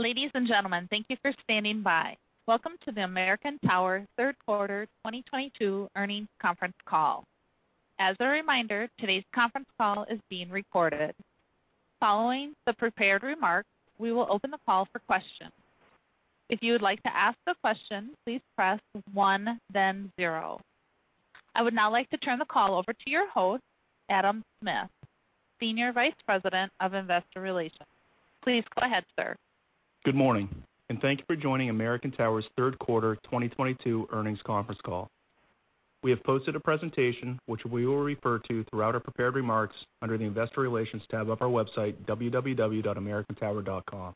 Ladies and gentlemen, thank you for standing by. Welcome to the American Tower third quarter 2022 earnings conference call. As a reminder, today's conference call is being recorded. Following the prepared remarks, we will open the call for questions. If you would like to ask a question, please press one then 0. I would now like to turn the call over to your host, Adam Smith, Senior Vice President of Investor Relations. Please go ahead, sir. Good morning, and thank you for joining American Tower's third quarter 2022 earnings conference call. We have posted a presentation which we will refer to throughout our prepared remarks under the Investor Relations tab of our website, www.americantower.com.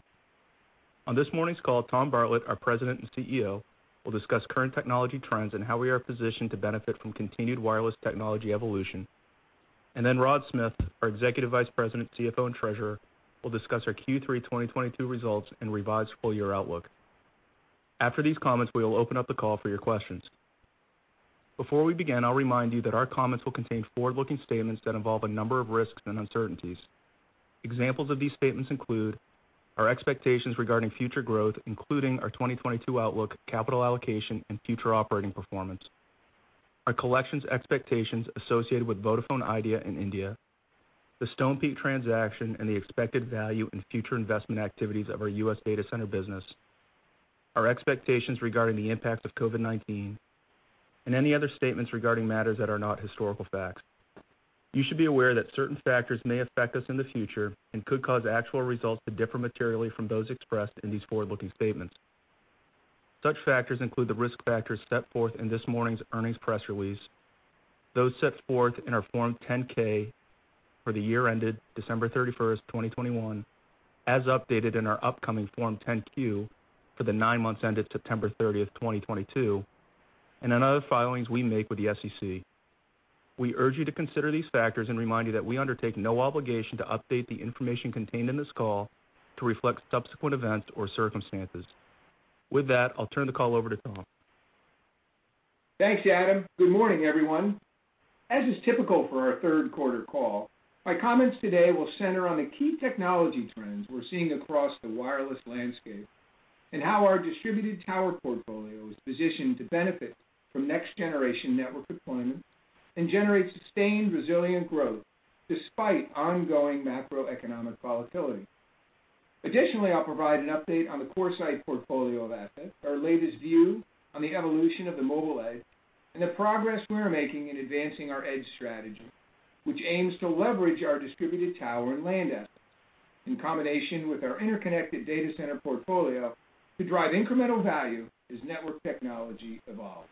On this morning's call, Tom Bartlett, our President and CEO, will discuss current technology trends and how we are positioned to benefit from continued wireless technology evolution. Rod Smith, our Executive Vice President, CFO, and Treasurer, will discuss our Q3 2022 results and revised full-year outlook. After these comments, we will open up the call for your questions. Before we begin, I'll remind you that our comments will contain forward-looking statements that involve a number of risks and uncertainties. Examples of these statements include our expectations regarding future growth, including our 2022 outlook, capital allocation, and future operating performance, our collections expectations associated with Vodafone Idea in India, the Stonepeak transaction, and the expected value in future investment activities of our U.S. data center business, our expectations regarding the impacts of COVID-19, and any other statements regarding matters that are not historical facts. You should be aware that certain factors may affect us in the future and could cause actual results to differ materially from those expressed in these forward-looking statements. Such factors include the risk factors set forth in this morning's earnings press release, those set forth in our Form 10-K for the year ended December 31, 2021, as updated in our upcoming Form 10-Q for the nine months ended September 30, 2022, and in other filings we make with the SEC. We urge you to consider these factors and remind you that we undertake no obligation to update the information contained in this call to reflect subsequent events or circumstances. With that, I'll turn the call over to Tom. Thanks, Adam. Good morning, everyone. As is typical for our third quarter call, my comments today will center on the key technology trends we're seeing across the wireless landscape and how our distributed tower portfolio is positioned to benefit from next-generation network deployments and generate sustained, resilient growth despite ongoing macroeconomic volatility. Additionally, I'll provide an update on the CoreSite portfolio of assets, our latest view on the evolution of the mobile edge, and the progress we are making in advancing our edge strategy, which aims to leverage our distributed tower and land assets in combination with our interconnected data center portfolio to drive incremental value as network technology evolves.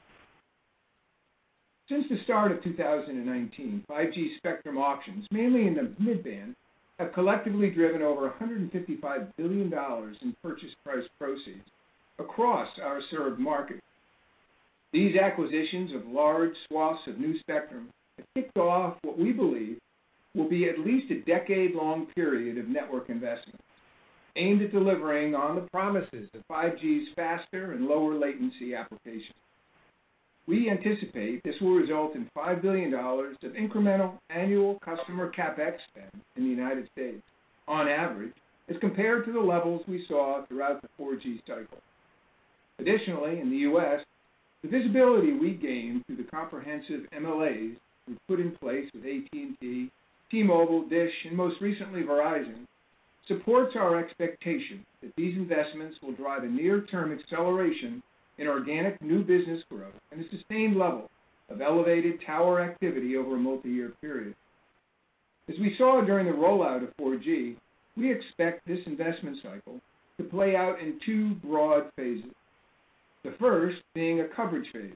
Since the start of 2019, 5G spectrum auctions, mainly in the mid-band, have collectively driven over $155 billion in purchase price proceeds across our served market. These acquisitions of large swaths of new spectrum have kicked off what we believe will be at least a decade-long period of network investments aimed at delivering on the promises of 5G's faster and lower latency applications. We anticipate this will result in $5 billion of incremental annual customer CapEx spend in the United States on average as compared to the levels we saw throughout the 4G cycle. Additionally, in the U.S., the visibility we gained through the comprehensive MLAs we put in place with AT&T, T-Mobile, Dish, and most recently Verizon supports our expectation that these investments will drive a near-term acceleration in organic new business growth and a sustained level of elevated tower activity over a multi-year period. As we saw during the rollout of 4G, we expect this investment cycle to play out in two broad phases. The first being a coverage phase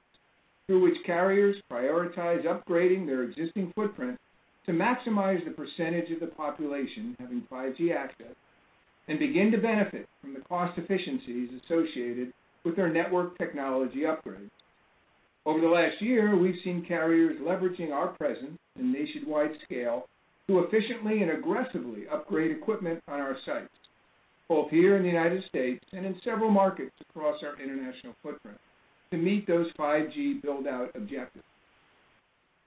through which carriers prioritize upgrading their existing footprint to maximize the percentage of the population having 5G access and begin to benefit from the cost efficiencies associated with their network technology upgrades. Over the last year, we've seen carriers leveraging our presence in nationwide scale to efficiently and aggressively upgrade equipment on our sites, both here in the United States and in several markets across our international footprint to meet those 5G build-out objectives.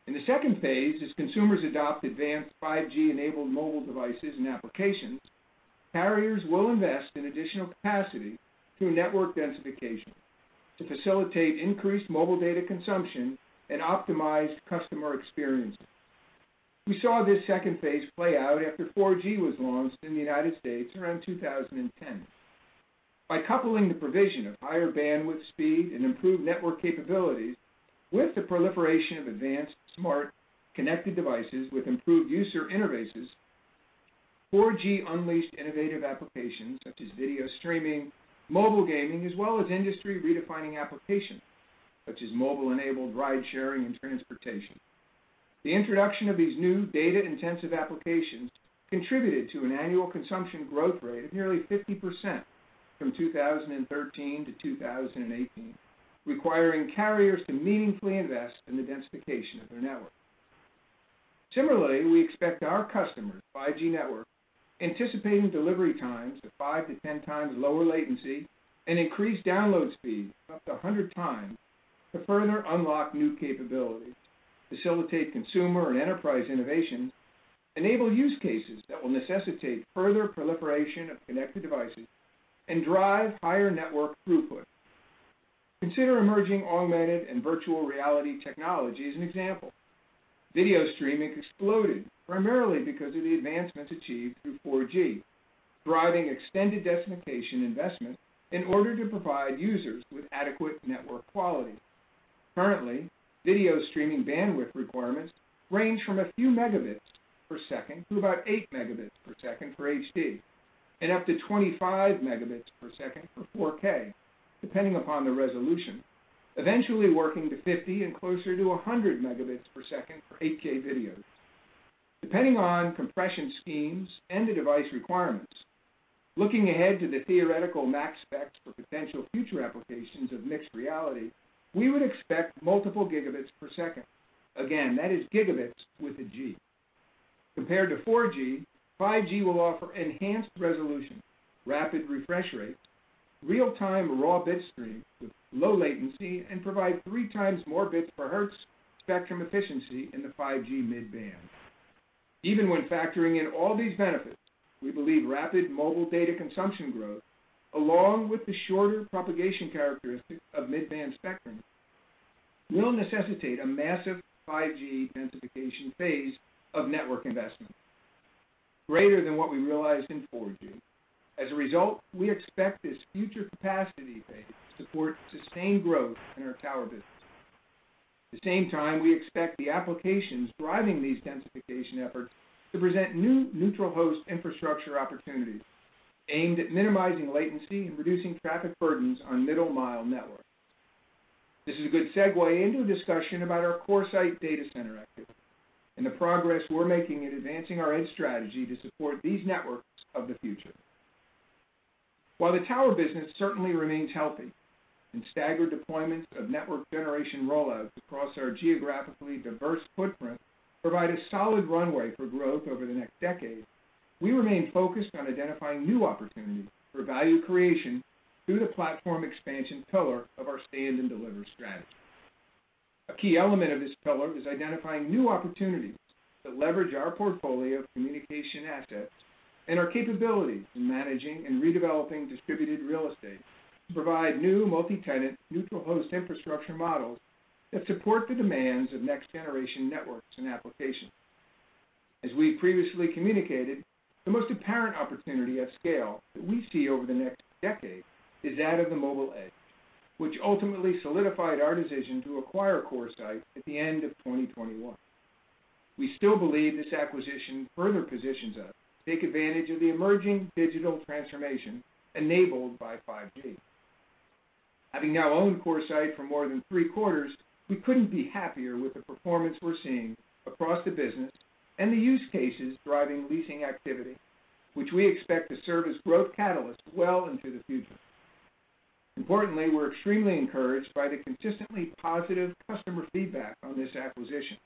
In the second phase, as consumers adopt advanced 5G-enabled mobile devices and applications, carriers will invest in additional capacity through network densification to facilitate increased mobile data consumption and optimized customer experiences. We saw this second phase play out after 4G was launched in the United States around 2010. By coupling the provision of higher bandwidth speed and improved network capabilities with the proliferation of advanced smart connected devices with improved user interfaces, 4G unleashed innovative applications such as video streaming, mobile gaming, as well as industry redefining applications such as mobile-enabled ride-sharing and transportation. The introduction of these new data-intensive applications contributed to an annual consumption growth rate of nearly 50% from 2013 to 2018, requiring carriers to meaningfully invest in the densification of their network. Similarly, we expect our customers' 5G network, anticipating delivery times of 5-10 times lower latency and increased download speeds of up to 100 times to further unlock new capabilities, facilitate consumer and enterprise innovation, enable use cases that will necessitate further proliferation of connected devices and drive higher network throughput. Consider emerging augmented and virtual reality technology as an example. Video streaming exploded primarily because of the advancements achieved through 4G, driving extended densification investment in order to provide users with adequate network quality. Currently, video streaming bandwidth requirements range from a few megabits per second to about 8 Mbps for HD and up to 25 Mbps for 4K, depending upon the resolution, eventually working to 50 Mbps and closer to 100 Mbps for 8K video, depending on compression schemes and the device requirements. Looking ahead to the theoretical max specs for potential future applications of mixed reality, we would expect multiple gigabits per second. Again, that is gigabits with a G. Compared to 4G, 5G will offer enhanced resolution, rapid refresh rate, real-time raw bitstream with low latency, and provide three times more bits per hertz spectrum efficiency in the 5G mid-band. Even when factoring in all these benefits, we believe rapid mobile data consumption growth, along with the shorter propagation characteristics of mid-band spectrum, will necessitate a massive 5G densification phase of network investment greater than what we realized in 4G. As a result, we expect this future capacity phase to support sustained growth in our tower business. At the same time, we expect the applications driving these densification efforts to present new neutral host infrastructure opportunities aimed at minimizing latency and reducing traffic burdens on middle mile networks. This is a good segue into a discussion about our CoreSite data center activity and the progress we're making in advancing our edge strategy to support these networks of the future. While the tower business certainly remains healthy and staggered deployments of network generation rollouts across our geographically diverse footprint provide a solid runway for growth over the next decade, we remain focused on identifying new opportunities for value creation through the platform expansion pillar of our Stand and Deliver strategy. A key element of this pillar is identifying new opportunities that leverage our portfolio of communication assets and our capabilities in managing and redeveloping distributed real estate to provide new multi-tenant neutral host infrastructure models that support the demands of next-generation networks and applications. As we previously communicated, the most apparent opportunity at scale that we see over the next decade is that of the mobile edge, which ultimately solidified our decision to acquire CoreSite at the end of 2021. We still believe this acquisition further positions us to take advantage of the emerging digital transformation enabled by 5G. Having now owned CoreSite for more than three quarters, we couldn't be happier with the performance we're seeing across the business and the use cases driving leasing activity, which we expect to serve as growth catalysts well into the future. Importantly, we're extremely encouraged by the consistently positive customer feedback on this acquisition.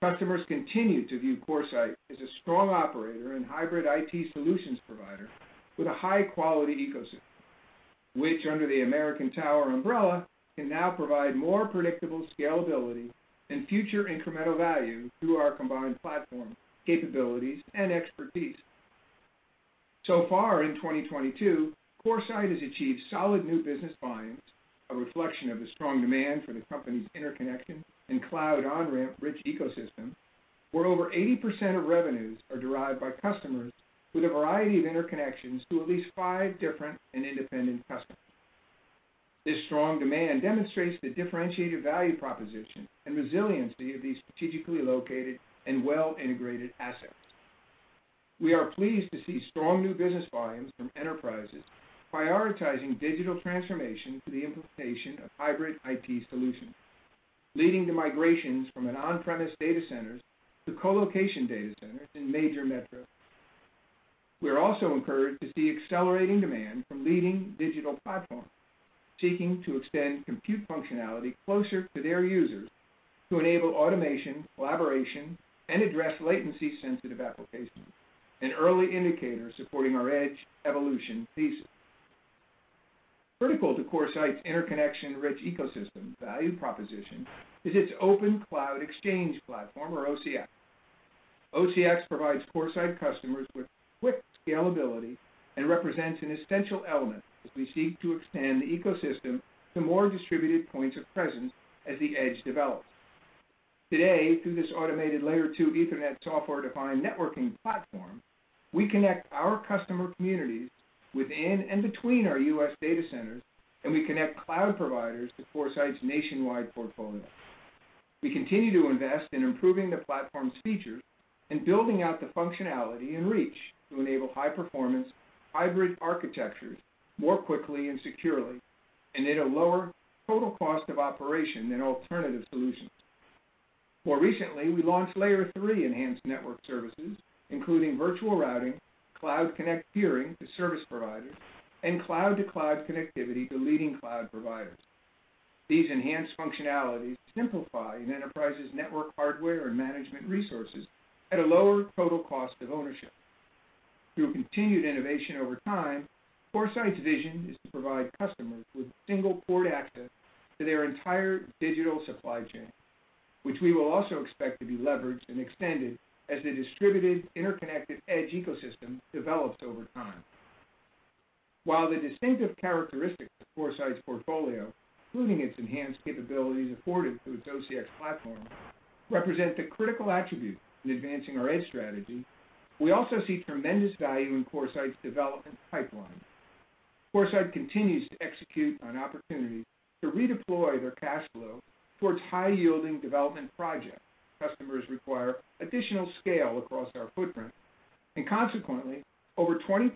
Customers continue to view CoreSite as a strong operator and hybrid IT solutions provider with a high-quality ecosystem, which under the American Tower umbrella, can now provide more predictable scalability and future incremental value through our combined platform capabilities and expertise. So far in 2022, CoreSite has achieved solid new business volumes, a reflection of the strong demand for the company's interconnection and cloud on-ramp rich ecosystem, where over 80% of revenues are derived by customers with a variety of interconnections to at least five different and independent customers. This strong demand demonstrates the differentiated value proposition and resiliency of these strategically located and well-integrated assets. We are pleased to see strong new business volumes from enterprises prioritizing digital transformation through the implementation of hybrid IT solutions, leading to migrations from on-premise data centers to colocation data centers in major metros. We are also encouraged to see accelerating demand from leading digital platforms seeking to extend compute functionality closer to their users to enable automation, collaboration, and address latency-sensitive applications, an early indicator supporting our edge evolution thesis. Critical to CoreSite's interconnection-rich ecosystem value proposition is its Open Cloud Exchange platform or OCX. OCX provides CoreSite customers with quick scalability and represents an essential element as we seek to expand the ecosystem to more distributed points of presence as the edge develops. Today, through this automated Layer two Ethernet software-defined networking platform, we connect our customer communities within and between our U.S. data centers, and we connect cloud providers to CoreSite's nationwide portfolio. We continue to invest in improving the platform's features and building out the functionality and reach to enable high-performance hybrid architectures more quickly and securely and at a lower total cost of operation than alternative solutions. More recently, we launched Layer three enhanced network services, including virtual routing, cloud connect peering to service providers, and cloud-to-cloud connectivity to leading cloud providers. These enhanced functionalities simplify an enterprise's network hardware and management resources at a lower total cost of ownership. Through continued innovation over time, CoreSite's vision is to provide customers with single port access to their entire digital supply chain, which we will also expect to be leveraged and extended as the distributed interconnected Edge ecosystem develops over time. While the distinctive characteristics of CoreSite's portfolio, including its enhanced capabilities afforded through its OCX platform, represent a critical attribute in advancing our Edge strategy, we also see tremendous value in CoreSite's development pipeline. CoreSite continues to execute on opportunities to redeploy their cash flow towards high-yielding development projects. Customers require additional scale across our footprint, and consequently, over 20%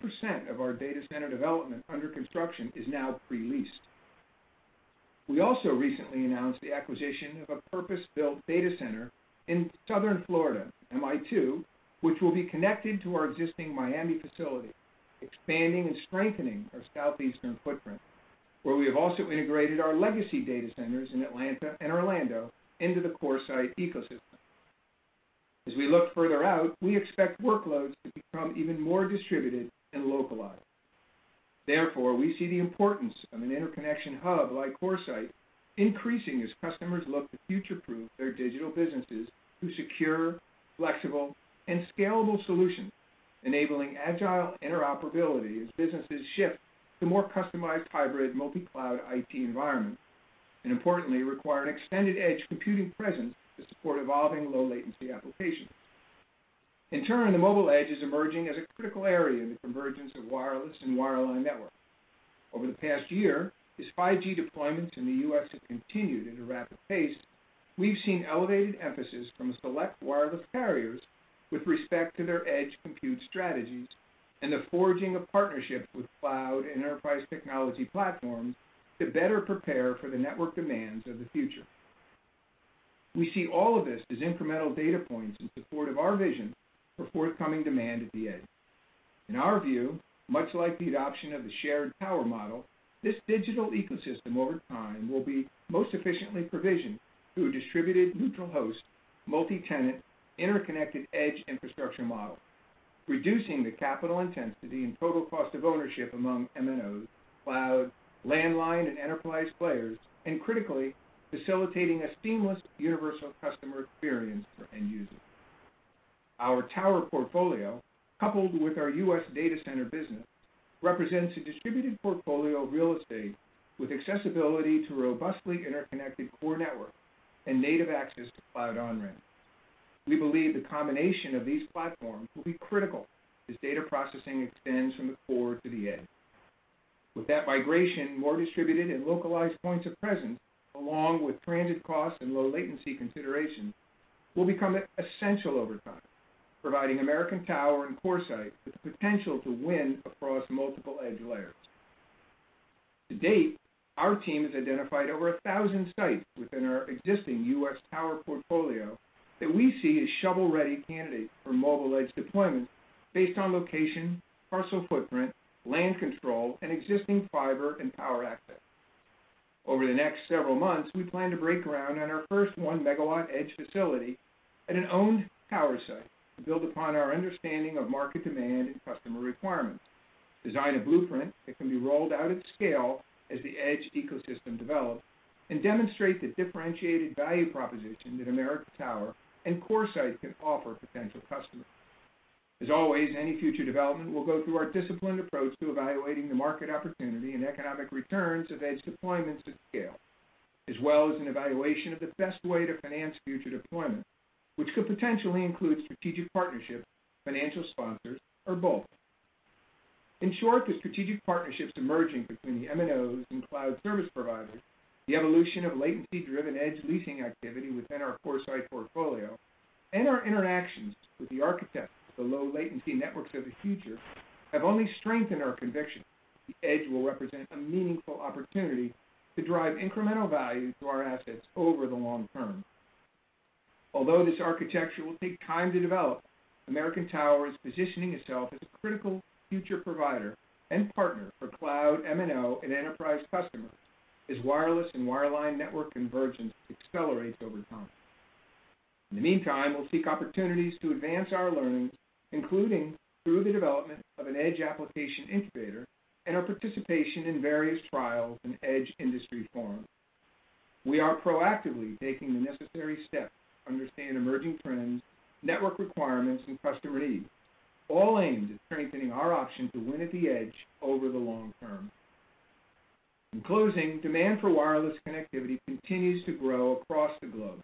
of our data center development under construction is now pre-leased. We also recently announced the acquisition of a purpose-built data center in Southern Florida, MI2, which will be connected to our existing Miami facility, expanding and strengthening our southeastern footprint, where we have also integrated our legacy data centers in Atlanta and Orlando into the CoreSite ecosystem. As we look further out, we expect workloads to become even more distributed and localized. Therefore, we see the importance of an interconnection hub like CoreSite increasing as customers look to future-proof their digital businesses through secure, flexible, and scalable solutions, enabling agile interoperability as businesses shift to more customized hybrid multi-cloud IT environments, and importantly, require an extended edge computing presence to support evolving low-latency applications. In turn, the mobile edge is emerging as a critical area in the convergence of wireless and wireline networks. Over the past year, as 5G deployments in the U.S. have continued at a rapid pace, we've seen elevated emphasis from select wireless carriers with respect to their edge compute strategies and the forging of partnerships with cloud and enterprise technology platforms to better prepare for the network demands of the future. We see all of this as incremental data points in support of our vision for forthcoming demand at the edge. In our view, much like the adoption of the shared tower model, this digital ecosystem over time will be most efficiently provisioned through a distributed, neutral host, multi-tenant, interconnected Edge infrastructure model, reducing the capital intensity and total cost of ownership among MNOs, cloud, landline, and enterprise players, and critically facilitating a seamless universal customer experience for end users. Our tower portfolio, coupled with our U.S. data center business, represents a distributed portfolio of real estate with accessibility to robustly interconnected core network and native access to cloud on-ramps. We believe the combination of these platforms will be critical as data processing extends from the core to the Edge. With that migration, more distributed and localized points of presence, along with transit costs and low latency consideration, will become essential over time, providing American Tower and CoreSite with the potential to win across multiple Edge layers. To date, our team has identified over 1,000 sites within our existing U.S. tower portfolio that we see as shovel-ready candidates for mobile Edge deployment based on location, parcel footprint, land control, and existing fiber and power assets. Over the next several months, we plan to break ground on our first 1-megawatt Edge facility at an owned tower site to build upon our understanding of market demand and customer requirements, design a blueprint that can be rolled out at scale as the Edge ecosystem develops, and demonstrate the differentiated value proposition that American Tower and CoreSite can offer potential customers. As always, any future development will go through our disciplined approach to evaluating the market opportunity and economic returns of Edge deployments at scale, as well as an evaluation of the best way to finance future deployments, which could potentially include strategic partnerships, financial sponsors, or both. In short, the strategic partnerships emerging between the MNOs and cloud service providers, the evolution of latency-driven Edge leasing activity within our CoreSite portfolio, and our interactions with the architects of the low-latency networks of the future have only strengthened our conviction that Edge will represent a meaningful opportunity to drive incremental value to our assets over the long term. Although this architecture will take time to develop, American Tower is positioning itself as a critical future provider and partner for cloud, MNO, and enterprise customers as wireless and wireline network convergence accelerates over time. In the meantime, we'll seek opportunities to advance our learnings, including through the development of an Edge application incubator and our participation in various trials and Edge industry forums. We are proactively taking the necessary steps to understand emerging trends, network requirements, and customer needs, all aimed at strengthening our option to win at the Edge over the long term. In closing, demand for wireless connectivity continues to grow across the globe,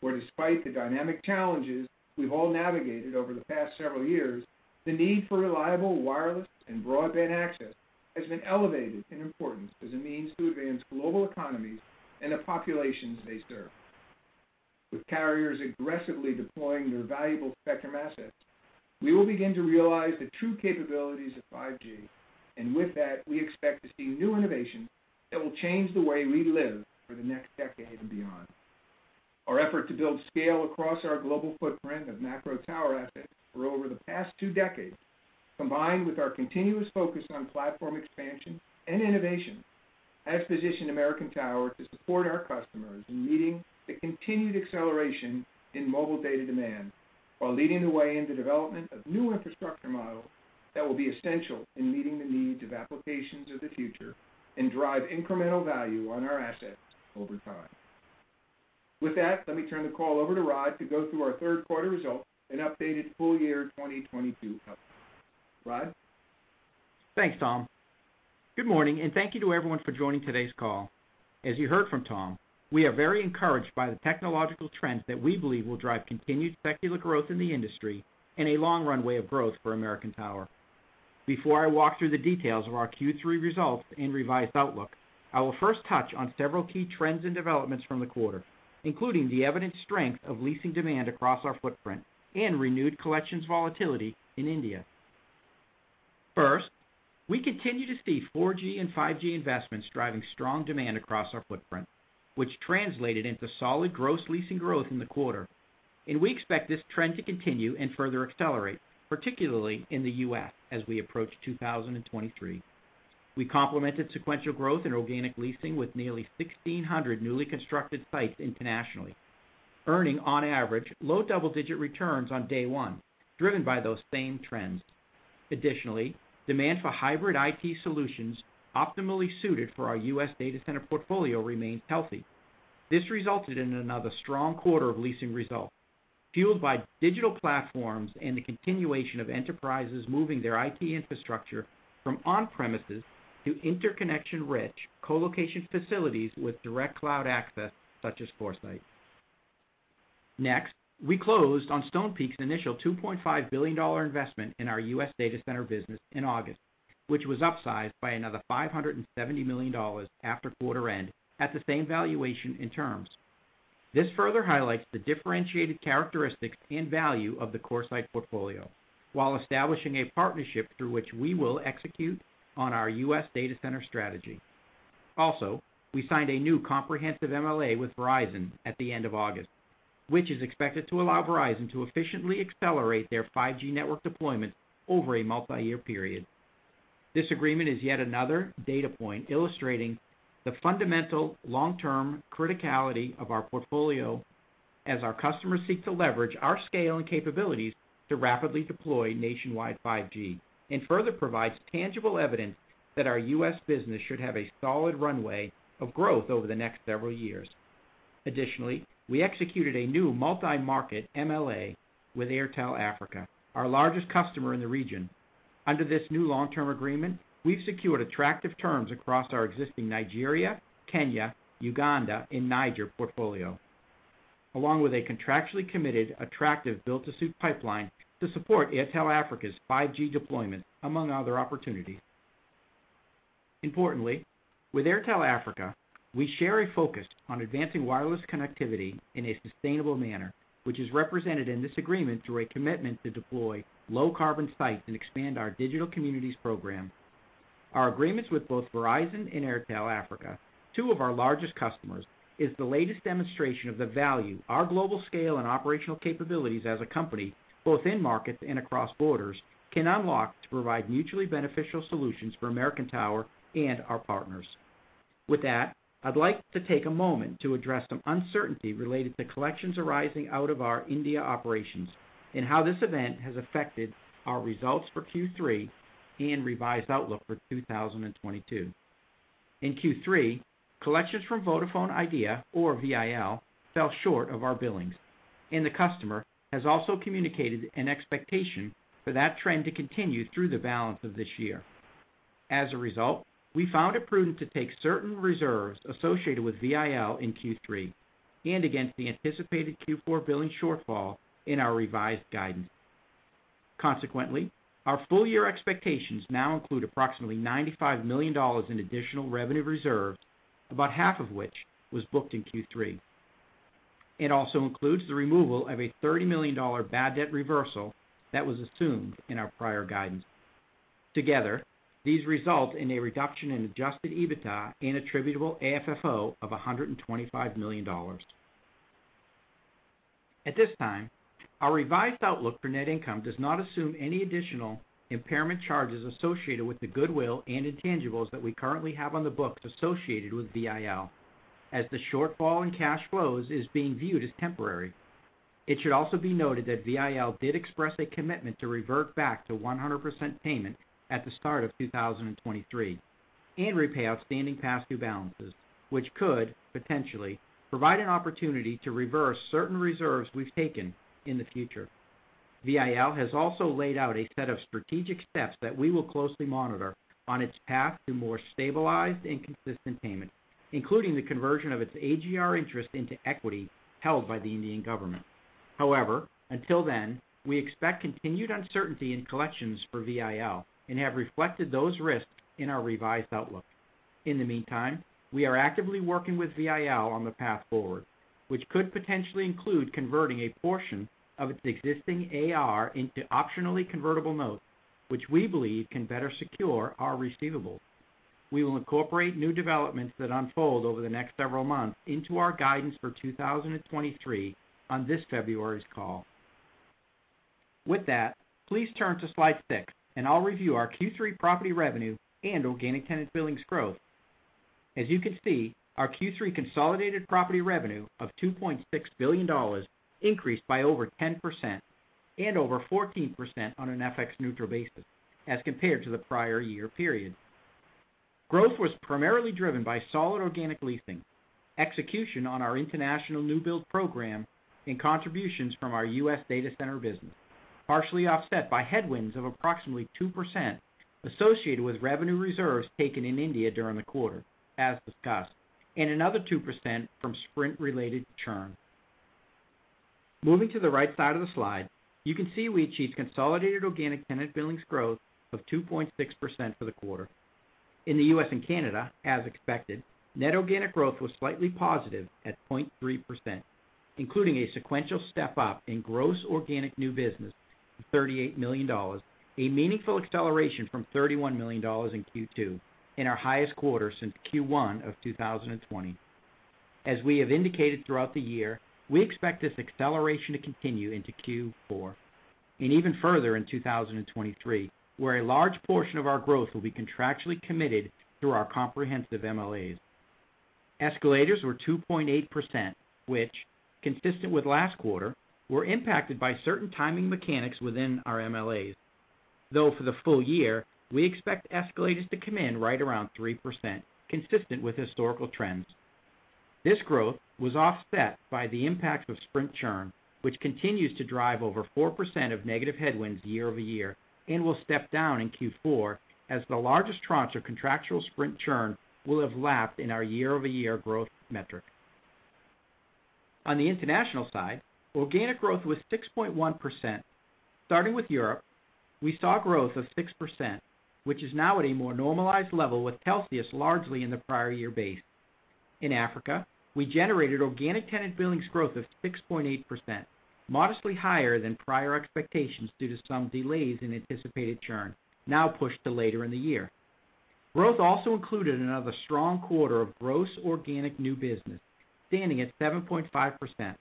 where despite the dynamic challenges we've all navigated over the past several years, the need for reliable wireless and broadband access has been elevated in importance as a means to advance global economies and the populations they serve. With carriers aggressively deploying their valuable spectrum assets, we will begin to realize the true capabilities of 5G, and with that, we expect to see new innovations that will change the way we live for the next decade and beyond. Our effort to build scale across our global footprint of macro tower assets for over the past two decades, combined with our continuous focus on platform expansion and innovation, has positioned American Tower to support our customers in meeting the continued acceleration in mobile data demand while leading the way in the development of new infrastructure models that will be essential in meeting the needs of applications of the future and drive incremental value on our assets over time. With that, let me turn the call over to Rod to go through our third quarter results and updated full year 2022 outlook. Rod? Thanks, Tom. Good morning, and thank you to everyone for joining today's call. As you heard from Tom, we are very encouraged by the technological trends that we believe will drive continued secular growth in the industry and a long runway of growth for American Tower. Before I walk through the details of our Q3 results and revised outlook, I will first touch on several key trends and developments from the quarter, including the evident strength of leasing demand across our footprint and renewed collections volatility in India. First, we continue to see 4G and 5G investments driving strong demand across our footprint, which translated into solid gross leasing growth in the quarter, and we expect this trend to continue and further accelerate, particularly in the US as we approach 2023. We complemented sequential growth in organic leasing with nearly 1,600 newly constructed sites internationally, earning on average low double-digit returns on day one, driven by those same trends. Additionally, demand for hybrid IT solutions optimally suited for our U.S. data center portfolio remains healthy. This resulted in another strong quarter of leasing results, fueled by digital platforms and the continuation of enterprises moving their IT infrastructure from on-premises to interconnection-rich colocation facilities with direct cloud access such as CoreSite. Next, we closed on Stonepeak's initial $2.5 billion investment in our U.S. data center business in August, which was upsized by another $570 million after quarter end at the same valuation and terms. This further highlights the differentiated characteristics and value of the CoreSite portfolio while establishing a partnership through which we will execute on our U.S. data center strategy. We signed a new comprehensive MLA with Verizon at the end of August, which is expected to allow Verizon to efficiently accelerate their 5G network deployment over a multiyear period. This agreement is yet another data point illustrating the fundamental long-term criticality of our portfolio as our customers seek to leverage our scale and capabilities to rapidly deploy nationwide 5G and further provides tangible evidence that our US business should have a solid runway of growth over the next several years. Additionally, we executed a new multi-market MLA with Airtel Africa, our largest customer in the region. Under this new long-term agreement, we've secured attractive terms across our existing Nigeria, Kenya, Uganda, and Niger portfolio, along with a contractually committed, attractive build-to-suit pipeline to support Airtel Africa's 5G deployment, among other opportunities. Importantly, with Airtel Africa, we share a focus on advancing wireless connectivity in a sustainable manner, which is represented in this agreement through a commitment to deploy low-carbon sites and expand our Digital Communities program. Our agreements with both Verizon and Airtel Africa, two of our largest customers, is the latest demonstration of the value our global scale and operational capabilities as a company, both in markets and across borders, can unlock to provide mutually beneficial solutions for American Tower and our partners. With that, I'd like to take a moment to address some uncertainty related to collections arising out of our India operations and how this event has affected our results for Q3 and revised outlook for 2022. In Q3, collections from Vodafone Idea, or VIL, fell short of our billings, and the customer has also communicated an expectation for that trend to continue through the balance of this year. As a result, we found it prudent to take certain reserves associated with VIL in Q3 and against the anticipated Q4 billing shortfall in our revised guidance. Consequently, our full year expectations now include approximately $95 million in additional revenue reserves, about half of which was booked in Q3. It also includes the removal of a $30 million bad debt reversal that was assumed in our prior guidance. Together, these result in a reduction in Adjusted EBITDA and attributable AFFO of $125 million. At this time, our revised outlook for net income does not assume any additional impairment charges associated with the goodwill and intangibles that we currently have on the books associated with VIL, as the shortfall in cash flows is being viewed as temporary. It should also be noted that VIL did express a commitment to revert back to 100% payment at the start of 2023 and repay outstanding past due balances, which could potentially provide an opportunity to reverse certain reserves we've taken in the future. VIL has also laid out a set of strategic steps that we will closely monitor on its path to more stabilized and consistent payment, including the conversion of its AGR interest into equity held by the Indian government. However, until then, we expect continued uncertainty in collections for VIL and have reflected those risks in our revised outlook. In the meantime, we are actively working with VIL on the path forward, which could potentially include converting a portion of its existing AR into optionally convertible notes, which we believe can better secure our receivables. We will incorporate new developments that unfold over the next several months into our guidance for 2023 on this February's call. With that, please turn to slide six, and I'll review our Q3 property revenue and Organic Tenant Billings Growth. As you can see, our Q3 consolidated property revenue of $2.6 billion increased by over 10% and over 14% on an FX neutral basis as compared to the prior year period. Growth was primarily driven by solid organic leasing, execution on our international new build program and contributions from our U.S. data center business, partially offset by headwinds of approximately 2% associated with revenue reserves taken in India during the quarter, as discussed, and another 2% from Sprint-related churn. Moving to the right side of the slide, you can see we achieved consolidated organic tenant billings growth of 2.6% for the quarter. In the U.S. and Canada, as expected, net organic growth was slightly positive at 0.3%, including a sequential step up in gross organic new business of $38 million, a meaningful acceleration from $31 million in Q2, and our highest quarter since Q1 of 2020. As we have indicated throughout the year, we expect this acceleration to continue into Q4 and even further in 2023, where a large portion of our growth will be contractually committed through our comprehensive MLAs. Escalators were 2.8%, which, consistent with last quarter, were impacted by certain timing mechanics within our MLAs. Though for the full year, we expect escalators to come in right around 3%, consistent with historical trends. This growth was offset by the impact of Sprint churn, which continues to drive over 4% of negative headwinds year-over-year and will step down in Q4 as the largest tranche of contractual Sprint churn will have lapped in our year-over-year growth metric. On the international side, organic growth was 6.1%. Starting with Europe, we saw growth of 6%, which is now at a more normalized level with Cellnex largely in the prior year base. In Africa, we generated organic tenant billings growth of 6.8%, modestly higher than prior expectations due to some delays in anticipated churn now pushed to later in the year. Growth also included another strong quarter of gross organic new business, standing at 7.5%,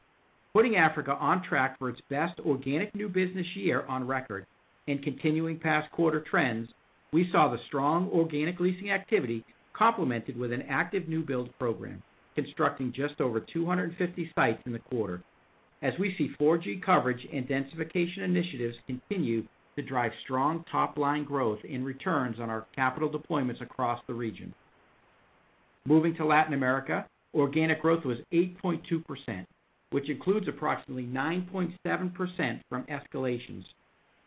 putting Africa on track for its best organic new business year on record and continuing past quarter trends. We saw the strong organic leasing activity complemented with an active new build program, constructing just over 250 sites in the quarter as we see 4G coverage and densification initiatives continue to drive strong top line growth in returns on our capital deployments across the region. Moving to Latin America, organic growth was 8.2%, which includes approximately 9.7% from escalations.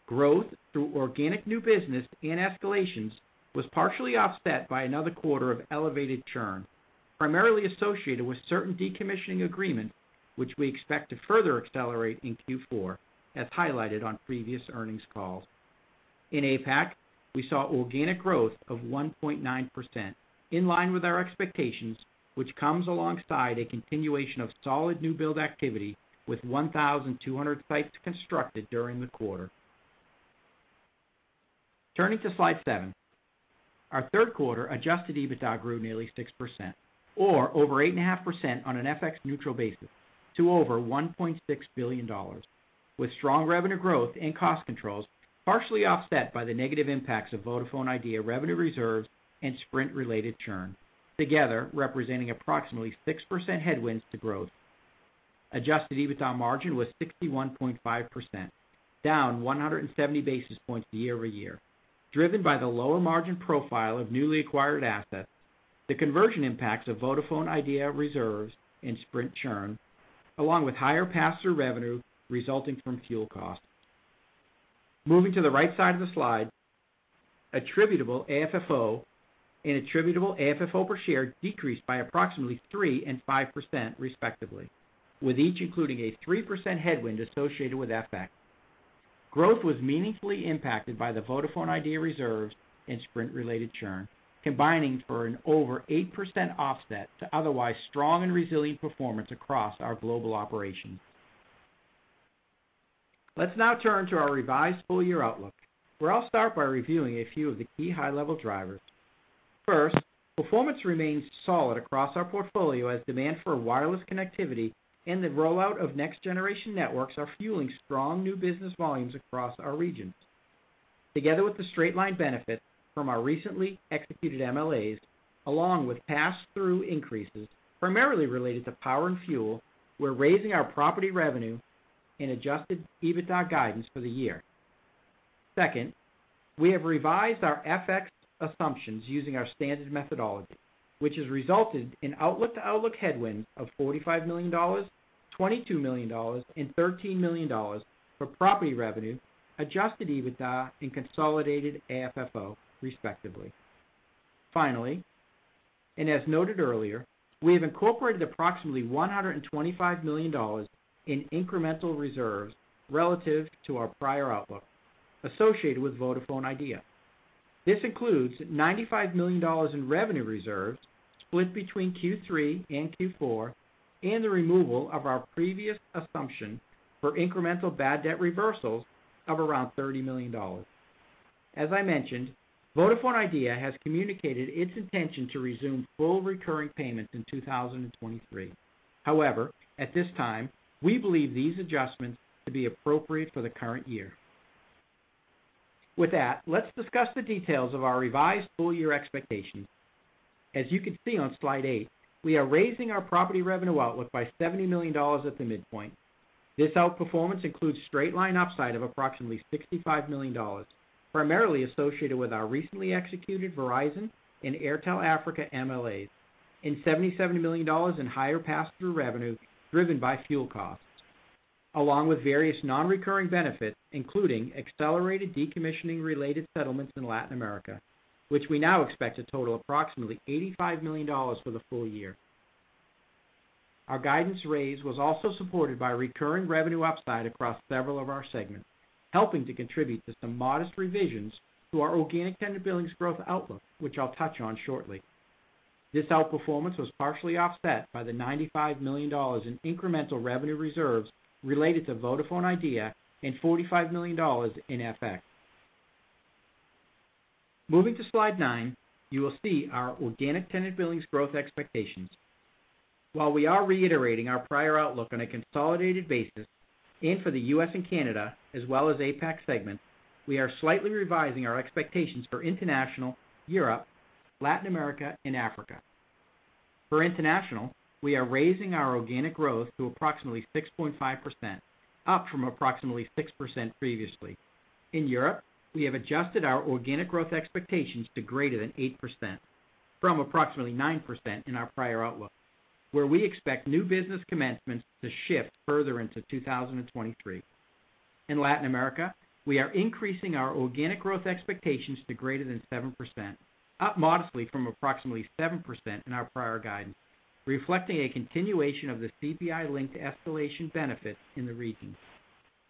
Growth through organic new business and escalations was partially offset by another quarter of elevated churn, primarily associated with certain decommissioning agreements, which we expect to further accelerate in Q4, as highlighted on previous earnings calls. In APAC, we saw organic growth of 1.9%, in line with our expectations, which comes alongside a continuation of solid new build activity with 1,002 sites constructed during the quarter. Turning to slide seven. Our third quarter Adjusted EBITDA grew nearly 6% or over 8.5% on an FX neutral basis to over $1.6 billion, with strong revenue growth and cost controls, partially offset by the negative impacts of Vodafone Idea revenue reserves and Sprint-related churn, together representing approximately 6% headwinds to growth. Adjusted EBITDA margin was 61.5%, down 170 basis points year-over-year, driven by the lower margin profile of newly acquired assets, the conversion impacts of Vodafone Idea reserves and Sprint churn, along with higher pass-through revenue resulting from fuel costs. Moving to the right side of the slide, attributable AFFO and attributable AFFO per share decreased by approximately 3% and 5% respectively, with each including a 3% headwind associated with FX. Growth was meaningfully impacted by the Vodafone Idea reserves and Sprint-related churn, combining for an over 8% offset to otherwise strong and resilient performance across our global operations. Let's now turn to our revised full year outlook, where I'll start by reviewing a few of the key high-level drivers. First, performance remains solid across our portfolio as demand for wireless connectivity and the rollout of next generation networks are fueling strong new business volumes across our regions. Together with the straight line benefit from our recently executed MLAs along with pass through increases, primarily related to power and fuel, we're raising our property revenue and Adjusted EBITDA guidance for the year. Second, we have revised our FX assumptions using our standard methodology, which has resulted in outlook to outlook headwind of $45 million, $22 million and $13 million for property revenue, Adjusted EBITDA and Consolidated AFFO, respectively. Finally, and as noted earlier, we have incorporated approximately $125 million in incremental reserves relative to our prior outlook associated with Vodafone Idea. This includes $95 million in revenue reserves split between Q3 and Q4, and the removal of our previous assumption for incremental bad debt reversals of around $30 million. As I mentioned, Vodafone Idea has communicated its intention to resume full recurring payments in 2023. However, at this time, we believe these adjustments to be appropriate for the current year. With that, let's discuss the details of our revised full year expectations. As you can see on slide eight, we are raising our property revenue outlook by $70 million at the midpoint. This outperformance includes straight line upside of approximately $65 million, primarily associated with our recently executed Verizon and Airtel Africa MLAs, and $77 million in higher pass-through revenue driven by fuel costs, along with various non-recurring benefits, including accelerated decommissioning related settlements in Latin America, which we now expect to total approximately $85 million for the full year. Our guidance raise was also supported by recurring revenue upside across several of our segments, helping to contribute to some modest revisions to our Organic Tenant Billings Growth outlook, which I'll touch on shortly. This outperformance was partially offset by the $95 million in incremental revenue reserves related to Vodafone Idea and $45 million in FX. Moving to slide nine, you will see our organic tenant billings growth expectations. While we are reiterating our prior outlook on a consolidated basis and for the U.S. and Canada, as well as APAC segment, we are slightly revising our expectations for International, Europe, Latin America, and Africa. For International, we are raising our organic growth to approximately 6.5%, up from approximately 6% previously. In Europe, we have adjusted our organic growth expectations to greater than 8% from approximately 9% in our prior outlook, where we expect new business commencements to shift further into 2023. In Latin America, we are increasing our organic growth expectations to greater than 7%, up modestly from approximately 7% in our prior guidance, reflecting a continuation of the CPI-linked escalation benefit in the region.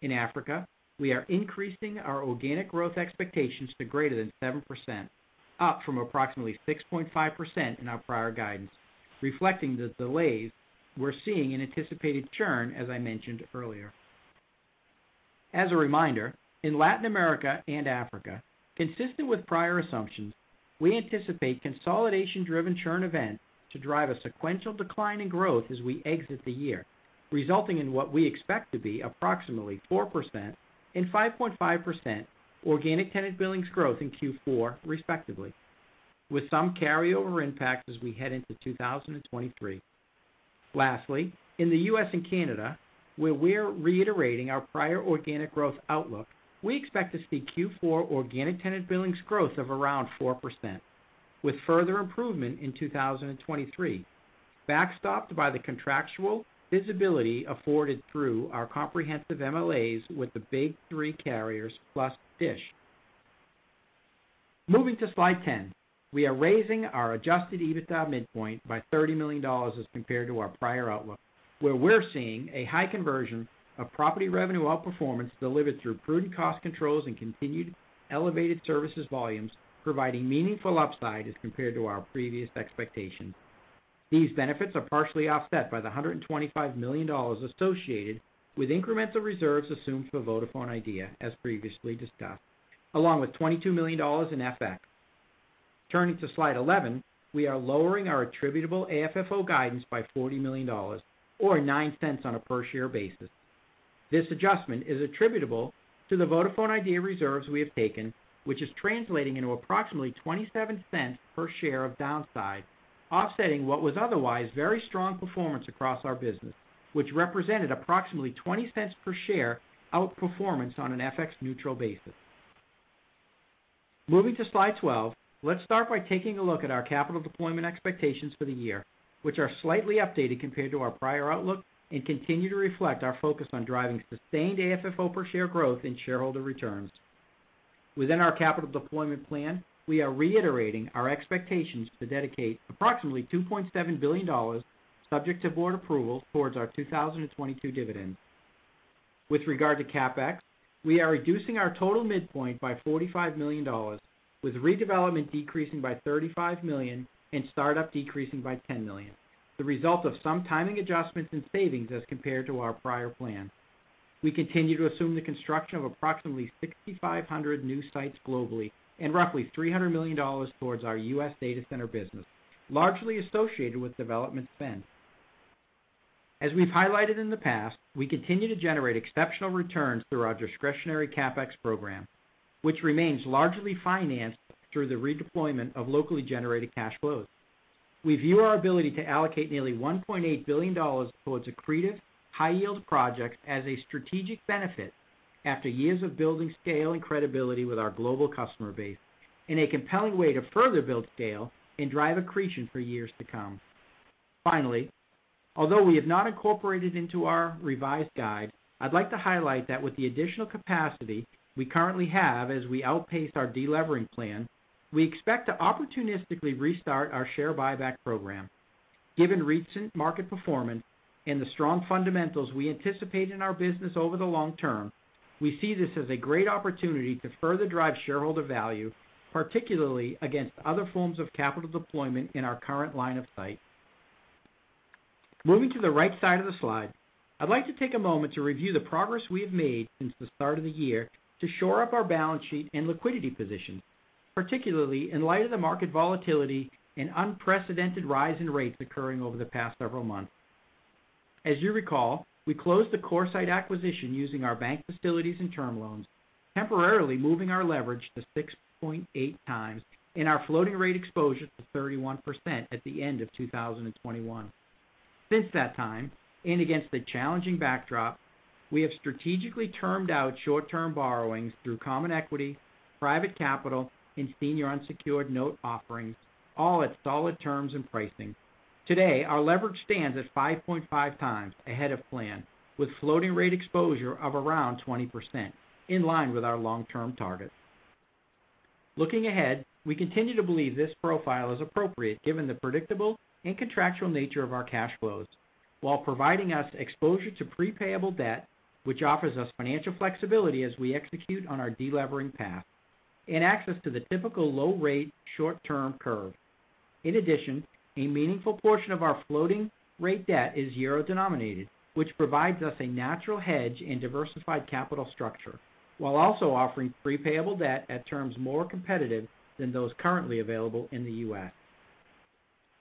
In Africa, we are increasing our organic growth expectations to greater than 7%, up from approximately 6.5% in our prior guidance, reflecting the delays we're seeing in anticipated churn, as I mentioned earlier. As a reminder, in Latin America and Africa, consistent with prior assumptions, we anticipate consolidation-driven churn events to drive a sequential decline in growth as we exit the year, resulting in what we expect to be approximately 4% and 5.5% Organic Tenant Billings Growth in Q4, respectively, with some carryover impact as we head into 2023. Lastly, in the U.S. and Canada, where we're reiterating our prior organic growth outlook, we expect to see Q4 organic tenant billings growth of around 4%, with further improvement in 2023, backstopped by the contractual visibility afforded through our comprehensive MLAs with the big three carriers plus Dish. Moving to slide ten, we are raising our Adjusted EBITDA midpoint by $30 million as compared to our prior outlook, where we're seeing a high conversion of property revenue outperformance delivered through prudent cost controls and continued elevated services volumes, providing meaningful upside as compared to our previous expectations. These benefits are partially offset by the $125 million associated with incremental reserves assumed for Vodafone Idea, as previously discussed, along with $22 million in FX. Turning to slide 11, we are lowering our attributable AFFO guidance by $40 million or $0.09 per share. This adjustment is attributable to the Vodafone Idea reserves we have taken, which is translating into approximately $0.27 per share of downside, offsetting what was otherwise very strong performance across our business, which represented approximately $0.20 per share outperformance on an FX-neutral basis. Moving to slide 12, let's start by taking a look at our capital deployment expectations for the year, which are slightly updated compared to our prior outlook and continue to reflect our focus on driving sustained AFFO per share growth and shareholder returns. Within our capital deployment plan, we are reiterating our expectations to dedicate approximately $2.7 billion subject to board approval towards our 2022 dividend. With regard to CapEx, we are reducing our total midpoint by $45 million, with redevelopment decreasing by $35 million and startup decreasing by $10 million, the result of some timing adjustments and savings as compared to our prior plan. We continue to assume the construction of approximately 6,500 new sites globally and roughly $300 million towards our U.S. data center business, largely associated with development spend. As we've highlighted in the past, we continue to generate exceptional returns through our discretionary CapEx program, which remains largely financed through the redeployment of locally generated cash flows. We view our ability to allocate nearly $1.8 billion towards accretive, high-yield projects as a strategic benefit after years of building scale and credibility with our global customer base in a compelling way to further build scale and drive accretion for years to come. Finally, although we have not incorporated into our revised guide, I'd like to highlight that with the additional capacity we currently have as we outpace our delevering plan, we expect to opportunistically restart our share buyback program. Given recent market performance and the strong fundamentals we anticipate in our business over the long term, we see this as a great opportunity to further drive shareholder value, particularly against other forms of capital deployment in our current line of sight. Moving to the right side of the slide, I'd like to take a moment to review the progress we have made since the start of the year to shore up our balance sheet and liquidity position, particularly in light of the market volatility and unprecedented rise in rates occurring over the past several months. As you recall, we closed the CoreSite acquisition using our bank facilities and term loans, temporarily moving our leverage to 6.8x and our floating rate exposure to 31% at the end of 2021. Since that time, and against a challenging backdrop, we have strategically termed out short-term borrowings through common equity, private capital and senior unsecured note offerings, all at solid terms and pricing. Today, our leverage stands at 5.5x ahead of plan, with floating rate exposure of around 20%, in line with our long-term targets. Looking ahead, we continue to believe this profile is appropriate given the predictable and contractual nature of our cash flows, while providing us exposure to prepayable debt, which offers us financial flexibility as we execute on our de-levering path and access to the typical low rate short-term curve. In addition, a meaningful portion of our floating rate debt is euro-denominated, which provides us a natural hedge and diversified capital structure, while also offering prepayable debt at terms more competitive than those currently available in the U.S.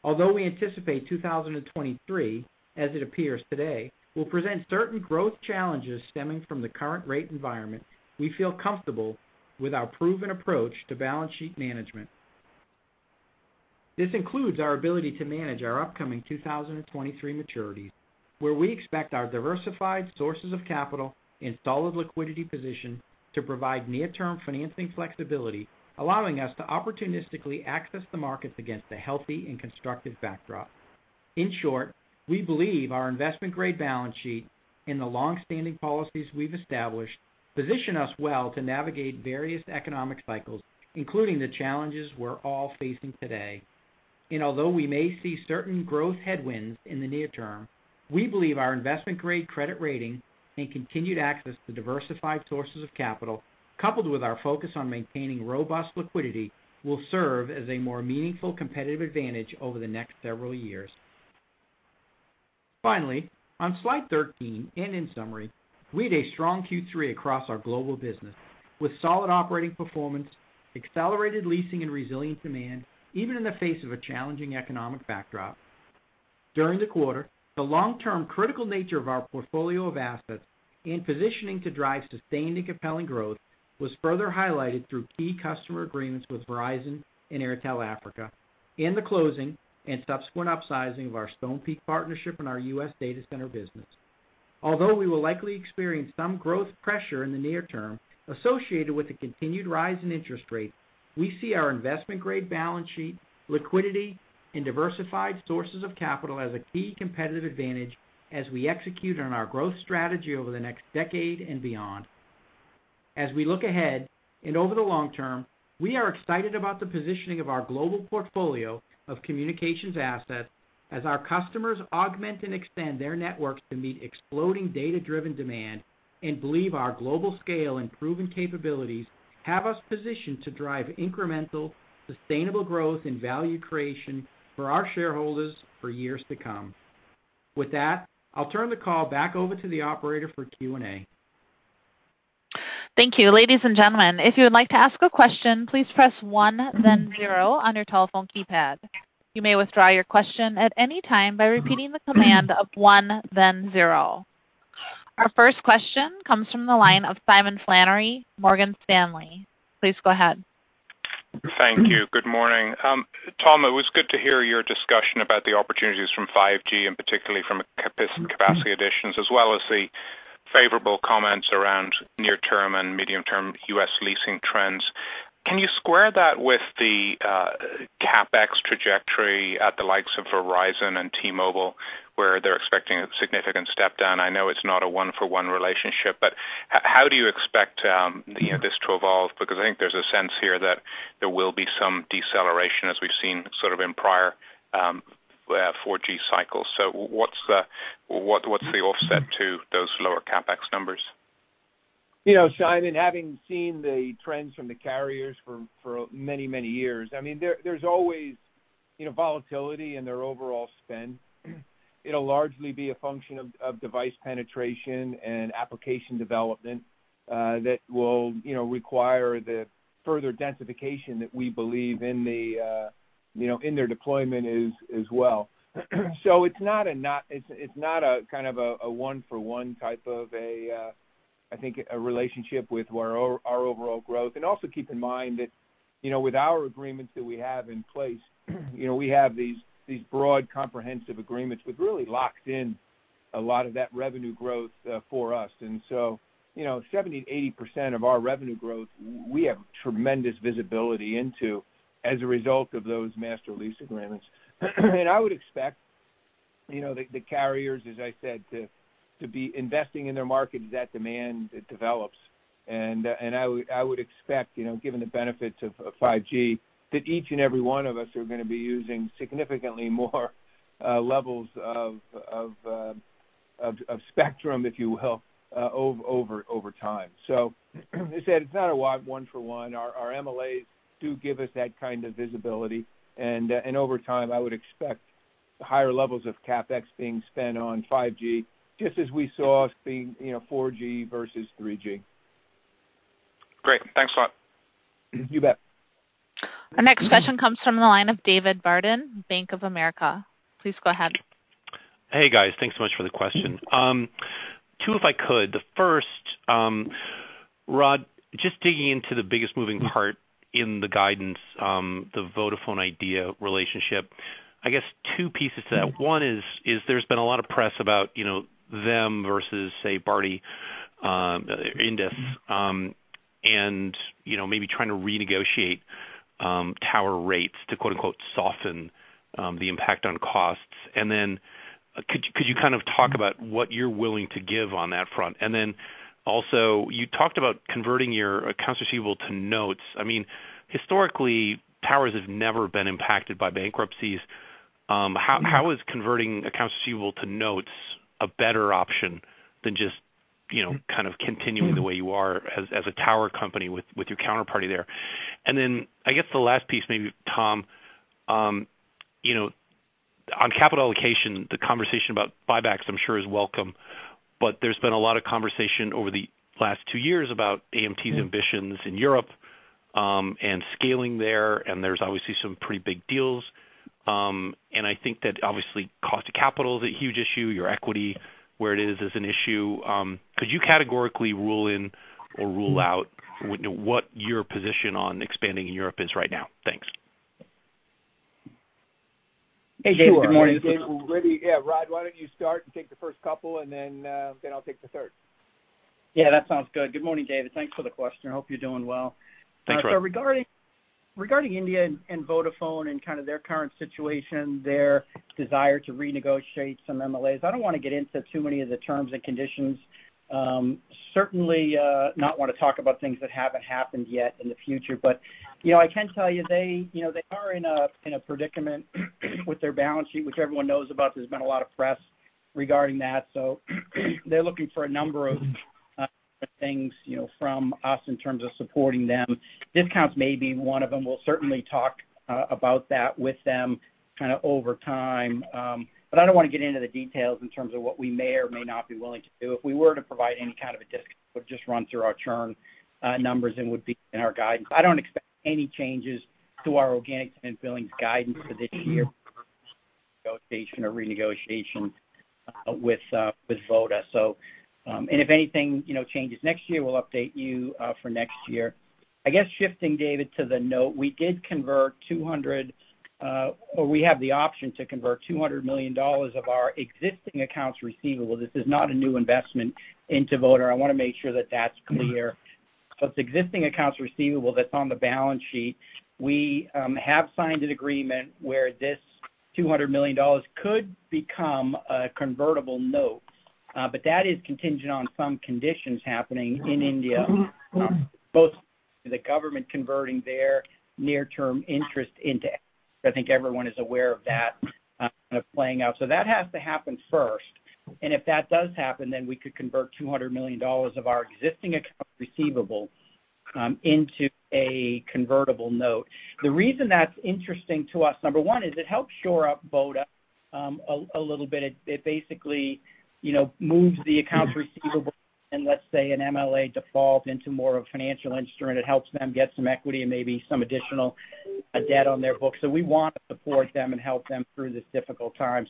Although we anticipate 2023, as it appears today, will present certain growth challenges stemming from the current rate environment, we feel comfortable with our proven approach to balance sheet management. This includes our ability to manage our upcoming 2023 maturities, where we expect our diversified sources of capital and solid liquidity position to provide near-term financing flexibility, allowing us to opportunistically access the markets against a healthy and constructive backdrop. In short, we believe our investment-grade balance sheet and the long-standing policies we've established position us well to navigate various economic cycles, including the challenges we're all facing today. Although we may see certain growth headwinds in the near term, we believe our investment-grade credit rating and continued access to diversified sources of capital, coupled with our focus on maintaining robust liquidity, will serve as a more meaningful competitive advantage over the next several years. Finally, on slide 13 and in summary, we had a strong Q3 across our global business, with solid operating performance, accelerated leasing and resilient demand, even in the face of a challenging economic backdrop. During the quarter, the long-term critical nature of our portfolio of assets and positioning to drive sustained and compelling growth was further highlighted through key customer agreements with Verizon and Airtel Africa, and the closing and subsequent upsizing of our Stonepeak partnership in our U.S. data center business. Although we will likely experience some growth pressure in the near term associated with the continued rise in interest rates, we see our investment-grade balance sheet, liquidity, and diversified sources of capital as a key competitive advantage as we execute on our growth strategy over the next decade and beyond. As we look ahead and over the long term, we are excited about the positioning of our global portfolio of communications assets as our customers augment and expand their networks to meet exploding data-driven demand and believe our global scale and proven capabilities have us positioned to drive incremental, sustainable growth and value creation for our shareholders for years to come. With that, I'll turn the call back over to the operator for Q&A. Thank you. Ladies and gentlemen, if you would like to ask a question, please press one then zero on your telephone keypad. You may withdraw your question at any time by repeating the command of one then zero. Our first question comes from the line of Simon Flannery, Morgan Stanley. Please go ahead. Thank you. Good morning. Tom, it was good to hear your discussion about the opportunities from 5G and particularly from capacity additions as well as the favorable comments around near-term and medium-term U.S. leasing trends. Can you square that with the CapEx trajectory at the likes of Verizon and T-Mobile, where they're expecting a significant step down? I know it's not a one-for-one relationship, but how do you expect you know this to evolve? Because I think there's a sense here that there will be some deceleration as we've seen sort of in prior 4G cycles. What's the offset to those lower CapEx numbers? You know, Simon, having seen the trends from the carriers for many years, I mean, there's always, you know, volatility in their overall spend. It'll largely be a function of device penetration and application development that will, you know, require the further densification that we believe in their deployment as well. It's not a kind of a one-for-one type of a relationship with our overall growth. Also keep in mind that, you know, with our agreements that we have in place, you know, we have these broad comprehensive agreements. We've really locked in a lot of that revenue growth for us. You know, 70-80% of our revenue growth, we have tremendous visibility into as a result of those master lease agreements. I would expect, you know, the carriers, as I said, to be investing in their markets as that demand develops. I would expect, you know, given the benefits of 5G, that each and every one of us are gonna be using significantly more levels of spectrum, if you will, over time. As I said, it's not a one for one. Our MLAs do give us that kind of visibility. Over time, I would expect higher levels of CapEx being spent on 5G, just as we saw, you know, 4G versus 3G. Great. Thanks a lot. You bet. Our next question comes from the line of David Barden, Bank of America. Please go ahead. Hey, guys. Thanks so much for the question. Two, if I could. The first, Rod, just digging into the biggest moving part in the guidance, the Vodafone Idea relationship. I guess two pieces to that. One is there's been a lot of press about, you know, them versus, say, Bharti, Indus, and, you know, maybe trying to renegotiate tower rates to quote, unquote, soften the impact on costs. Could you kind of talk about what you're willing to give on that front? Also, you talked about converting your accounts receivable to notes. I mean, historically, towers have never been impacted by bankruptcies. How is converting accounts receivable to notes a better option than just, you know, kind of continuing the way you are as a tower company with your counterparty there? I guess the last piece maybe, Tom, you know, on capital allocation, the conversation about buybacks I'm sure is welcome. There's been a lot of conversation over the last two years about AMT's ambitions in Europe, and scaling there, and there's obviously some pretty big deals. I think that obviously, cost of capital is a huge issue, your equity, where it is an issue. Could you categorically rule in or rule out what your position on expanding in Europe is right now? Thanks. Hey, David. Good morning. Sure. Maybe, yeah, Rod, why don't you start and take the first couple, and then I'll take the third. Yeah, that sounds good. Good morning, David. Thanks for the question. I hope you're doing well. Thanks, Rod. Regarding India and Vodafone and kind of their current situation, their desire to renegotiate some MLAs, I don't wanna get into too many of the terms and conditions. Certainly not wanna talk about things that haven't happened yet in the future. You know, I can tell you they, you know, they are in a predicament with their balance sheet, which everyone knows about. There's been a lot of press regarding that. They're looking for a number of things, you know, from us in terms of supporting them. Discounts may be one of them. We'll certainly talk about that with them kinda over time. I don't wanna get into the details in terms of what we may or may not be willing to do. If we were to provide any kind of a discount, it would just run through our churn numbers and would be in our guidance. I don't expect any changes to our organic tenant billings guidance for this year negotiation or renegotiation with Vodafone. If anything, you know, changes next year, we'll update you for next year. I guess shifting, David, to the note, we did convert 200 or we have the option to convert $200 million of our existing accounts receivable, this is not a new investment into Vodafone. I wanna make sure that that's clear. It's existing accounts receivable that's on the balance sheet. We have signed an agreement where this $200 million could become a convertible note, but that is contingent on some conditions happening in India, both the government converting their near-term interest into it. I think everyone is aware of that kind of playing out. That has to happen first. If that does happen, then we could convert $200 million of our existing accounts receivable into a convertible note. The reason that's interesting to us, number one, is it helps shore up Vodafone Idea a little bit. It basically, you know, moves the accounts receivable and let's say an MLA default into more of a financial instrument. It helps them get some equity and maybe some additional debt on their books. We want to support them and help them through this difficult time.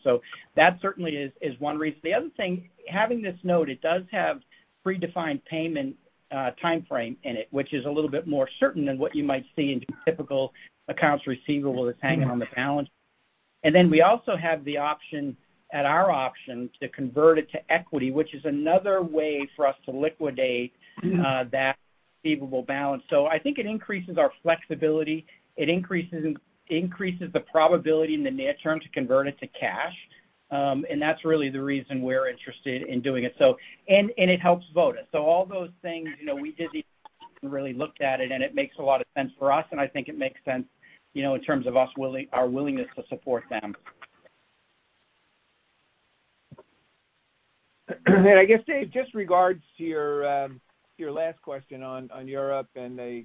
That certainly is one reason. The other thing, having this note, it does have predefined payment timeframe in it, which is a little bit more certain than what you might see in typical accounts receivable that's hanging on the balance. Then we also have the option, at our option, to convert it to equity, which is another way for us to liquidate that receivable balance. I think it increases our flexibility. It increases the probability in the near term to convert it to cash. That's really the reason we're interested in doing it. And it helps Voda. All those things, you know, we did really look at it, and it makes a lot of sense for us, and I think it makes sense, you know, in terms of our willingness to support them. I guess, David, just regards to your last question on Europe and the,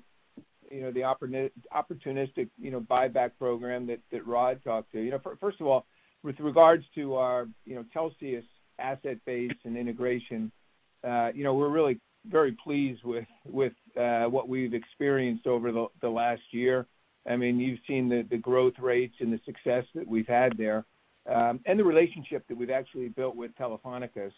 you know, the opportunistic, you know, buyback program that Rod talked to. You know, first of all, with regards to our, you know, Telxius asset base and integration, you know, we're really very pleased with what we've experienced over the last year. I mean, you've seen the growth rates and the success that we've had there, and the relationship that we've actually built with Telefónica.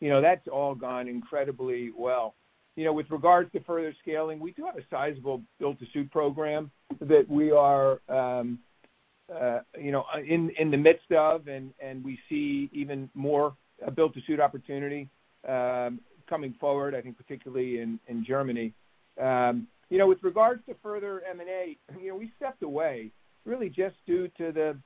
You know, that's all gone incredibly well. You know, with regards to further scaling, we do have a sizable build-to-suit program that we are in the midst of, and we see even more build-to-suit opportunity coming forward, I think particularly in Germany. You know, with regards to further M&A, you know, we stepped away really just due to the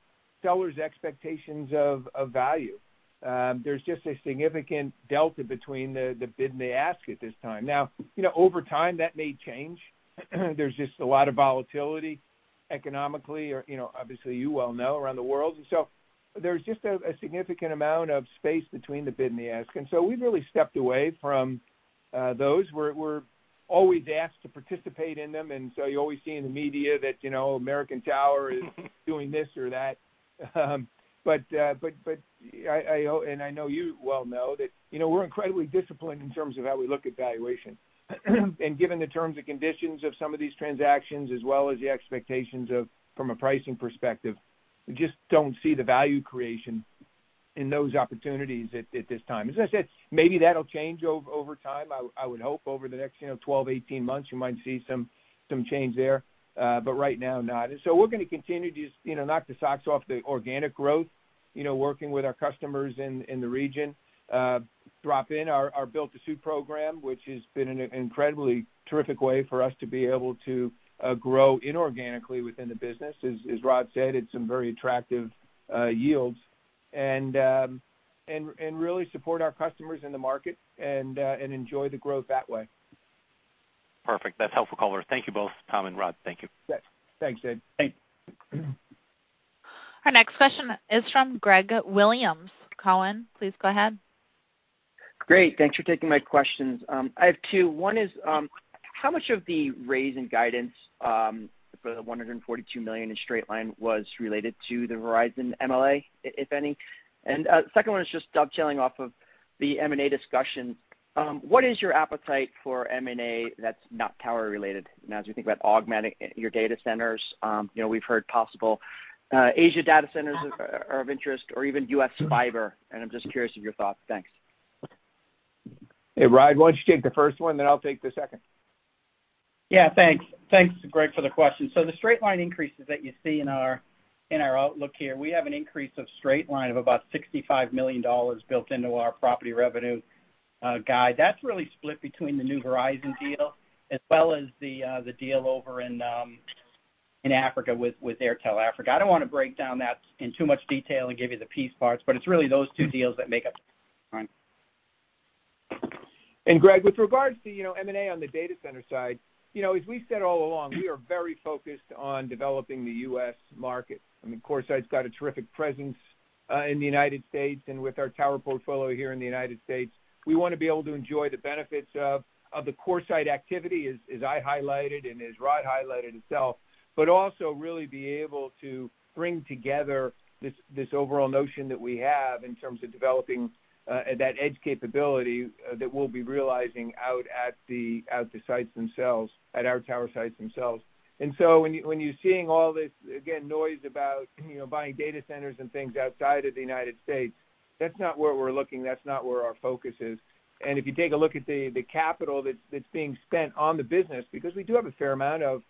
sellers' expectations of value. There's just a significant delta between the bid and the ask at this time. Now, you know, over time, that may change. There's just a lot of volatility economically or, you know, obviously you all know around the world. There's just a significant amount of space between the bid and the ask. We've really stepped away from those. We're always asked to participate in them, and so you always see in the media that, you know, American Tower is doing this or that. But I know you all know that, you know, we're incredibly disciplined in terms of how we look at valuation. Given the terms and conditions of some of these transactions, as well as the expectations from a pricing perspective, we just don't see the value creation in those opportunities at this time. As I said, maybe that'll change over time. I would hope over the next, you know, 12, 18 months, you might see some change there. But right now, not. We're gonna continue to just, you know, knock the socks off the organic growth, you know, working with our customers in the region, drop in our build-to-suit program, which has been an incredibly terrific way for us to be able to grow inorganically within the business. As Rod said, it's some very attractive yields. And and really support our customers in the market and enjoy the growth that way. Perfect. That's helpful color. Thank you both, Tom and Rod. Thank you. Yes. Thanks, Dave. Thanks. Our next question is from Gregory Williams. Cowen, please go ahead. Great. Thanks for taking my questions. I have two. One is, how much of the raise in guidance for the $142 million in straight line was related to the Verizon MLA, if any? The second one is just dovetailing off of the M&A discussion. What is your appetite for M&A that's not tower related? As we think about augmenting your data centers, you know, we've heard possible Asia data centers are of interest or even U.S. fiber, and I'm just curious of your thoughts. Thanks. Hey, Rod, why don't you take the first one, then I'll take the second. Yeah, thanks. Thanks, Greg, for the question. The straight-line increases that you see in our outlook here, we have an increase of straight-line of about $65 million built into our property revenue guide. That's really split between the new Verizon deal as well as the deal over in Africa with Airtel Africa. I don't wanna break down that in too much detail and give you the piece parts, but it's really those two deals that make up. Greg, with regards to, you know, M&A on the data center side, you know, as we've said all along, we are very focused on developing the U.S. market. I mean, CoreSite's got a terrific presence in the United States and with our tower portfolio here in the United States. We wanna be able to enjoy the benefits of the CoreSite activity, as I highlighted and as Rod highlighted himself, but also really be able to bring together this overall notion that we have in terms of developing that edge capability that we'll be realizing out at the sites themselves, at our tower sites themselves. When you're seeing all this, again, noise about, you know, buying data centers and things outside of the United States, that's not where we're looking, that's not where our focus is. If you take a look at the capital that's being spent on the business, because we do have a fair amount of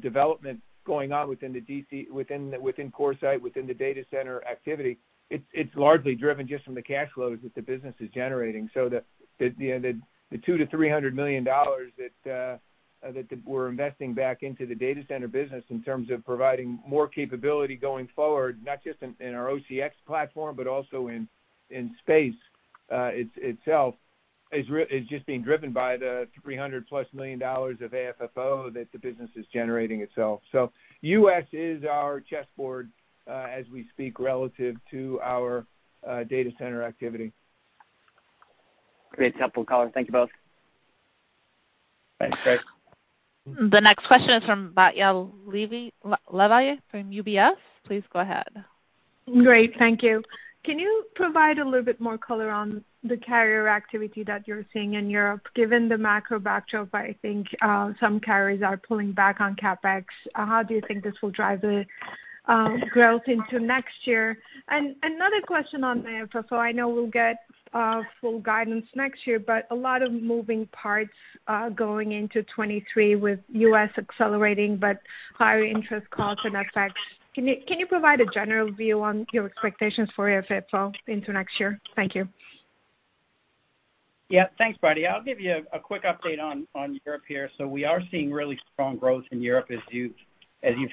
development going on within CoreSite, within the data center activity, it's largely driven just from the cash flows that the business is generating. You know, the $200 million-$300 million that we're investing back into the data center business in terms of providing more capability going forward, not just in our OCX platform, but also in space itself, is just being driven by the $300+ million of AFFO that the business is generating itself. U.S. is our chessboard as we speak relative to our data center activity. Great, helpful color. Thank you both. Thanks, Greg. The next question is from Batya Levi from UBS. Please go ahead. Great. Thank you. Can you provide a little bit more color on the carrier activity that you're seeing in Europe, given the macro backdrop, I think, some carriers are pulling back on CapEx? How do you think this will drive the growth into next year? Another question on the AFFO. I know we'll get full guidance next year, but a lot of moving parts going into 2023 with U.S. accelerating, but higher interest costs and CapEx. Can you provide a general view on your expectations for AFFO into next year? Thank you. Yeah. Thanks, Batya. I'll give you a quick update on Europe here. We are seeing really strong growth in Europe, as you've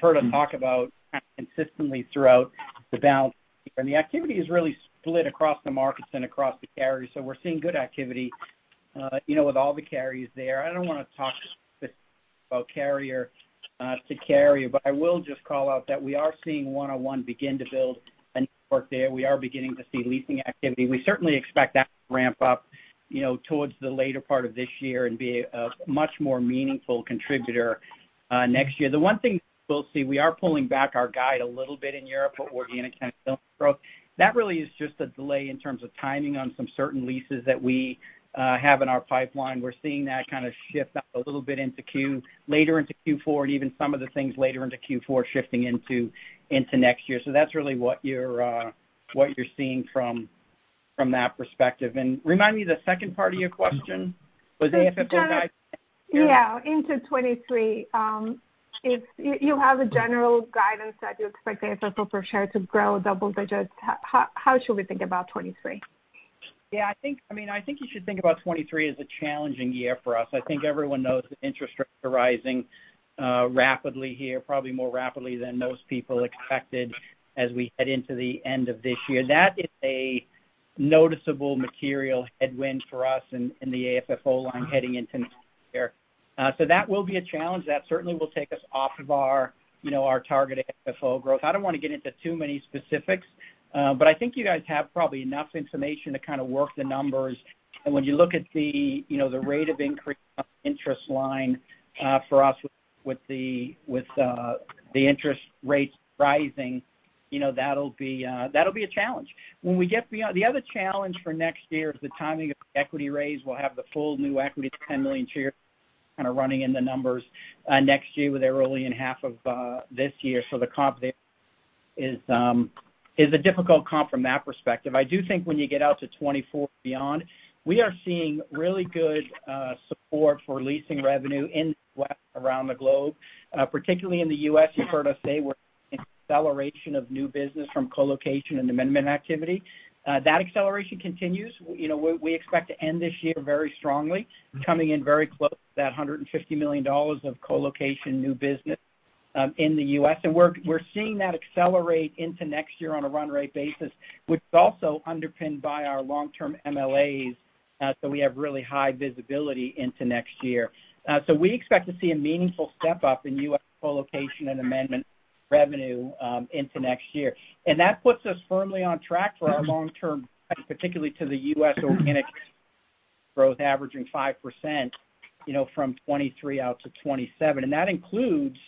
heard us talk about kind of consistently throughout the balance. The activity is really split across the markets and across the carriers. We're seeing good activity, you know, with all the carriers there. I don't want to talk specific about carrier to carrier, but I will just call out that we are seeing 1&1 begin to build a network there. We are beginning to see leasing activity. We certainly expect that to ramp up, you know, towards the later part of this year and be a much more meaningful contributor next year. The one thing we'll see, we are pulling back our guide a little bit in Europe for organic kind of growth. That really is just a delay in terms of timing on some certain leases that we have in our pipeline. We're seeing that kind of shift out a little bit later into Q4, and even some of the things later into Q4 shifting into next year. That's really what you're seeing from that perspective. Remind me the second part of your question. Was it AFFO guide? Yeah, into 2023. If you have a general guidance that you expect the AFFO per share to grow double digits, how should we think about 2023? I think you should think about 2023 as a challenging year for us. I think everyone knows that interest rates are rising rapidly here, probably more rapidly than most people expected as we head into the end of this year. That is a noticeable material headwind for us in the AFFO line heading into next year. So that will be a challenge. That certainly will take us off of our target AFFO growth. I don't wanna get into too many specifics, but I think you guys have probably enough information to kind of work the numbers. When you look at the rate of increase interest line for us with the interest rates rising, that'll be a challenge. The other challenge for next year is the timing of equity raise. We'll have the full new equity, 10 million shares, kind of running in the numbers next year with Airtel in half of this year. So the comp there is a difficult comp from that perspective. I do think when you get out to 2024 and beyond, we are seeing really good support for leasing revenue around the globe, particularly in the U.S. You've heard us say we're seeing acceleration of new business from colocation and amendment activity. That acceleration continues. You know, we expect to end this year very strongly, coming in very close to that $150 million of colocation new business in the U.S. We're seeing that accelerate into next year on a run rate basis, which is also underpinned by our long-term MLAs, so we have really high visibility into next year. So we expect to see a meaningful step up in U.S. colocation and amendment revenue into next year. That puts us firmly on track for our long-term, particularly to the U.S. organic growth averaging 5%, you know, from 2023 out to 2027. That includes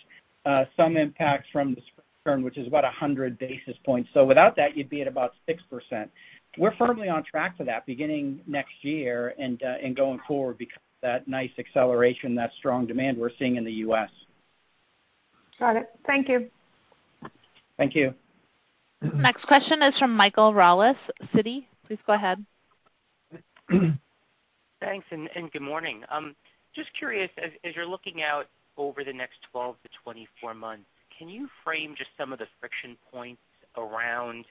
some impacts from the Sprint, which is about 100 basis points. Without that, you'd be at about 6%. We're firmly on track for that beginning next year and going forward because that nice acceleration, that strong demand we're seeing in the U.S. Got it. Thank you. Thank you. Next question is from Michael Roll, Citi. Please go ahead. Thanks, good morning. Just curious, as you're looking out over the next 12-24 months, can you frame just some of the friction points around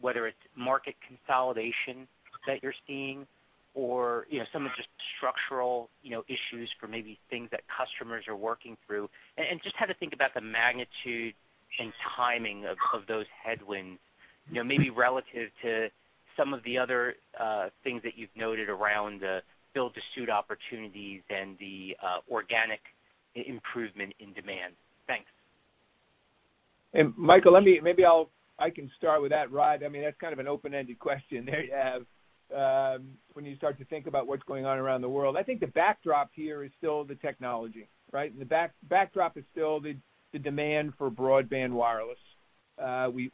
whether it's market consolidation that you're seeing or, you know, some of just structural, you know, issues for maybe things that customers are working through? Just how to think about the magnitude and timing of those headwinds, you know, maybe relative to some of the other things that you've noted around the build-to-suit opportunities and the organic improvement in demand. Thanks. Michael, I can start with that, Rod. I mean, that's kind of an open-ended question there you have, when you start to think about what's going on around the world. I think the backdrop here is still the technology, right? The backdrop is still the demand for broadband wireless.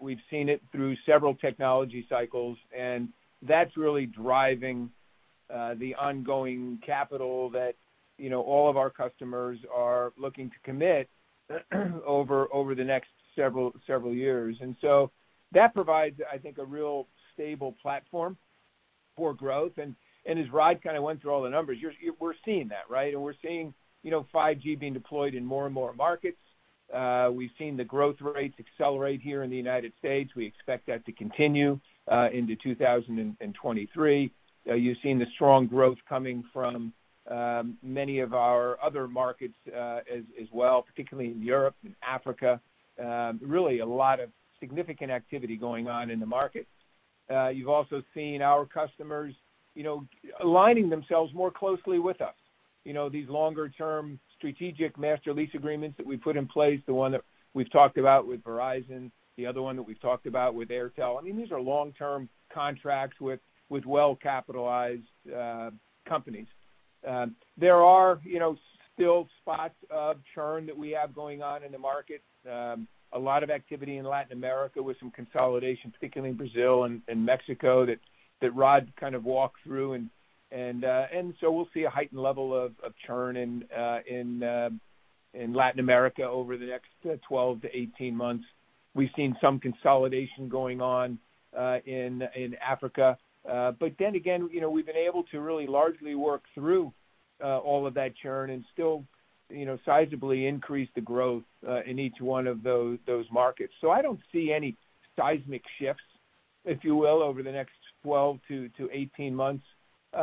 We've seen it through several technology cycles, and that's really driving the ongoing capital that, you know, all of our customers are looking to commit over the next several years. So that provides, I think, a real stable platform for growth. As Rod kind of went through all the numbers, we're seeing that, right? We're seeing, you know, 5G being deployed in more and more markets. We've seen the growth rates accelerate here in the United States. We expect that to continue into 2023. You've seen the strong growth coming from many of our other markets as well, particularly in Europe and Africa. Really a lot of significant activity going on in the markets. You've also seen our customers, you know, aligning themselves more closely with us. You know, these longer term strategic master lease agreements that we put in place, the one that we've talked about with Verizon, the other one that we've talked about with Airtel. I mean, these are long-term contracts with well-capitalized companies. There are, you know, still spots of churn that we have going on in the market. A lot of activity in Latin America with some consolidation, particularly in Brazil and Mexico that Rod kind of walked through. We'll see a heightened level of churn in Latin America over the next 12-18 months. We've seen some consolidation going on in Africa. You know, we've been able to really largely work through all of that churn and still, you know, sizably increase the growth in each one of those markets. I don't see any seismic shifts, if you will, over the next 12-18 months.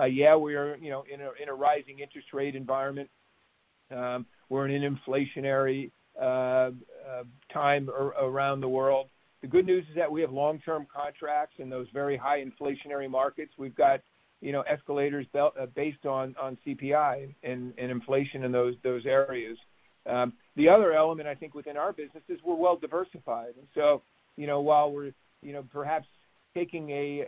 Yeah, we are, you know, in a rising interest rate environment. We're in an inflationary time around the world. The good news is that we have long-term contracts in those very high inflationary markets. We've got, you know, escalators based on CPI and inflation in those areas. The other element I think within our business is we're well diversified. You know, while we're, you know, perhaps taking a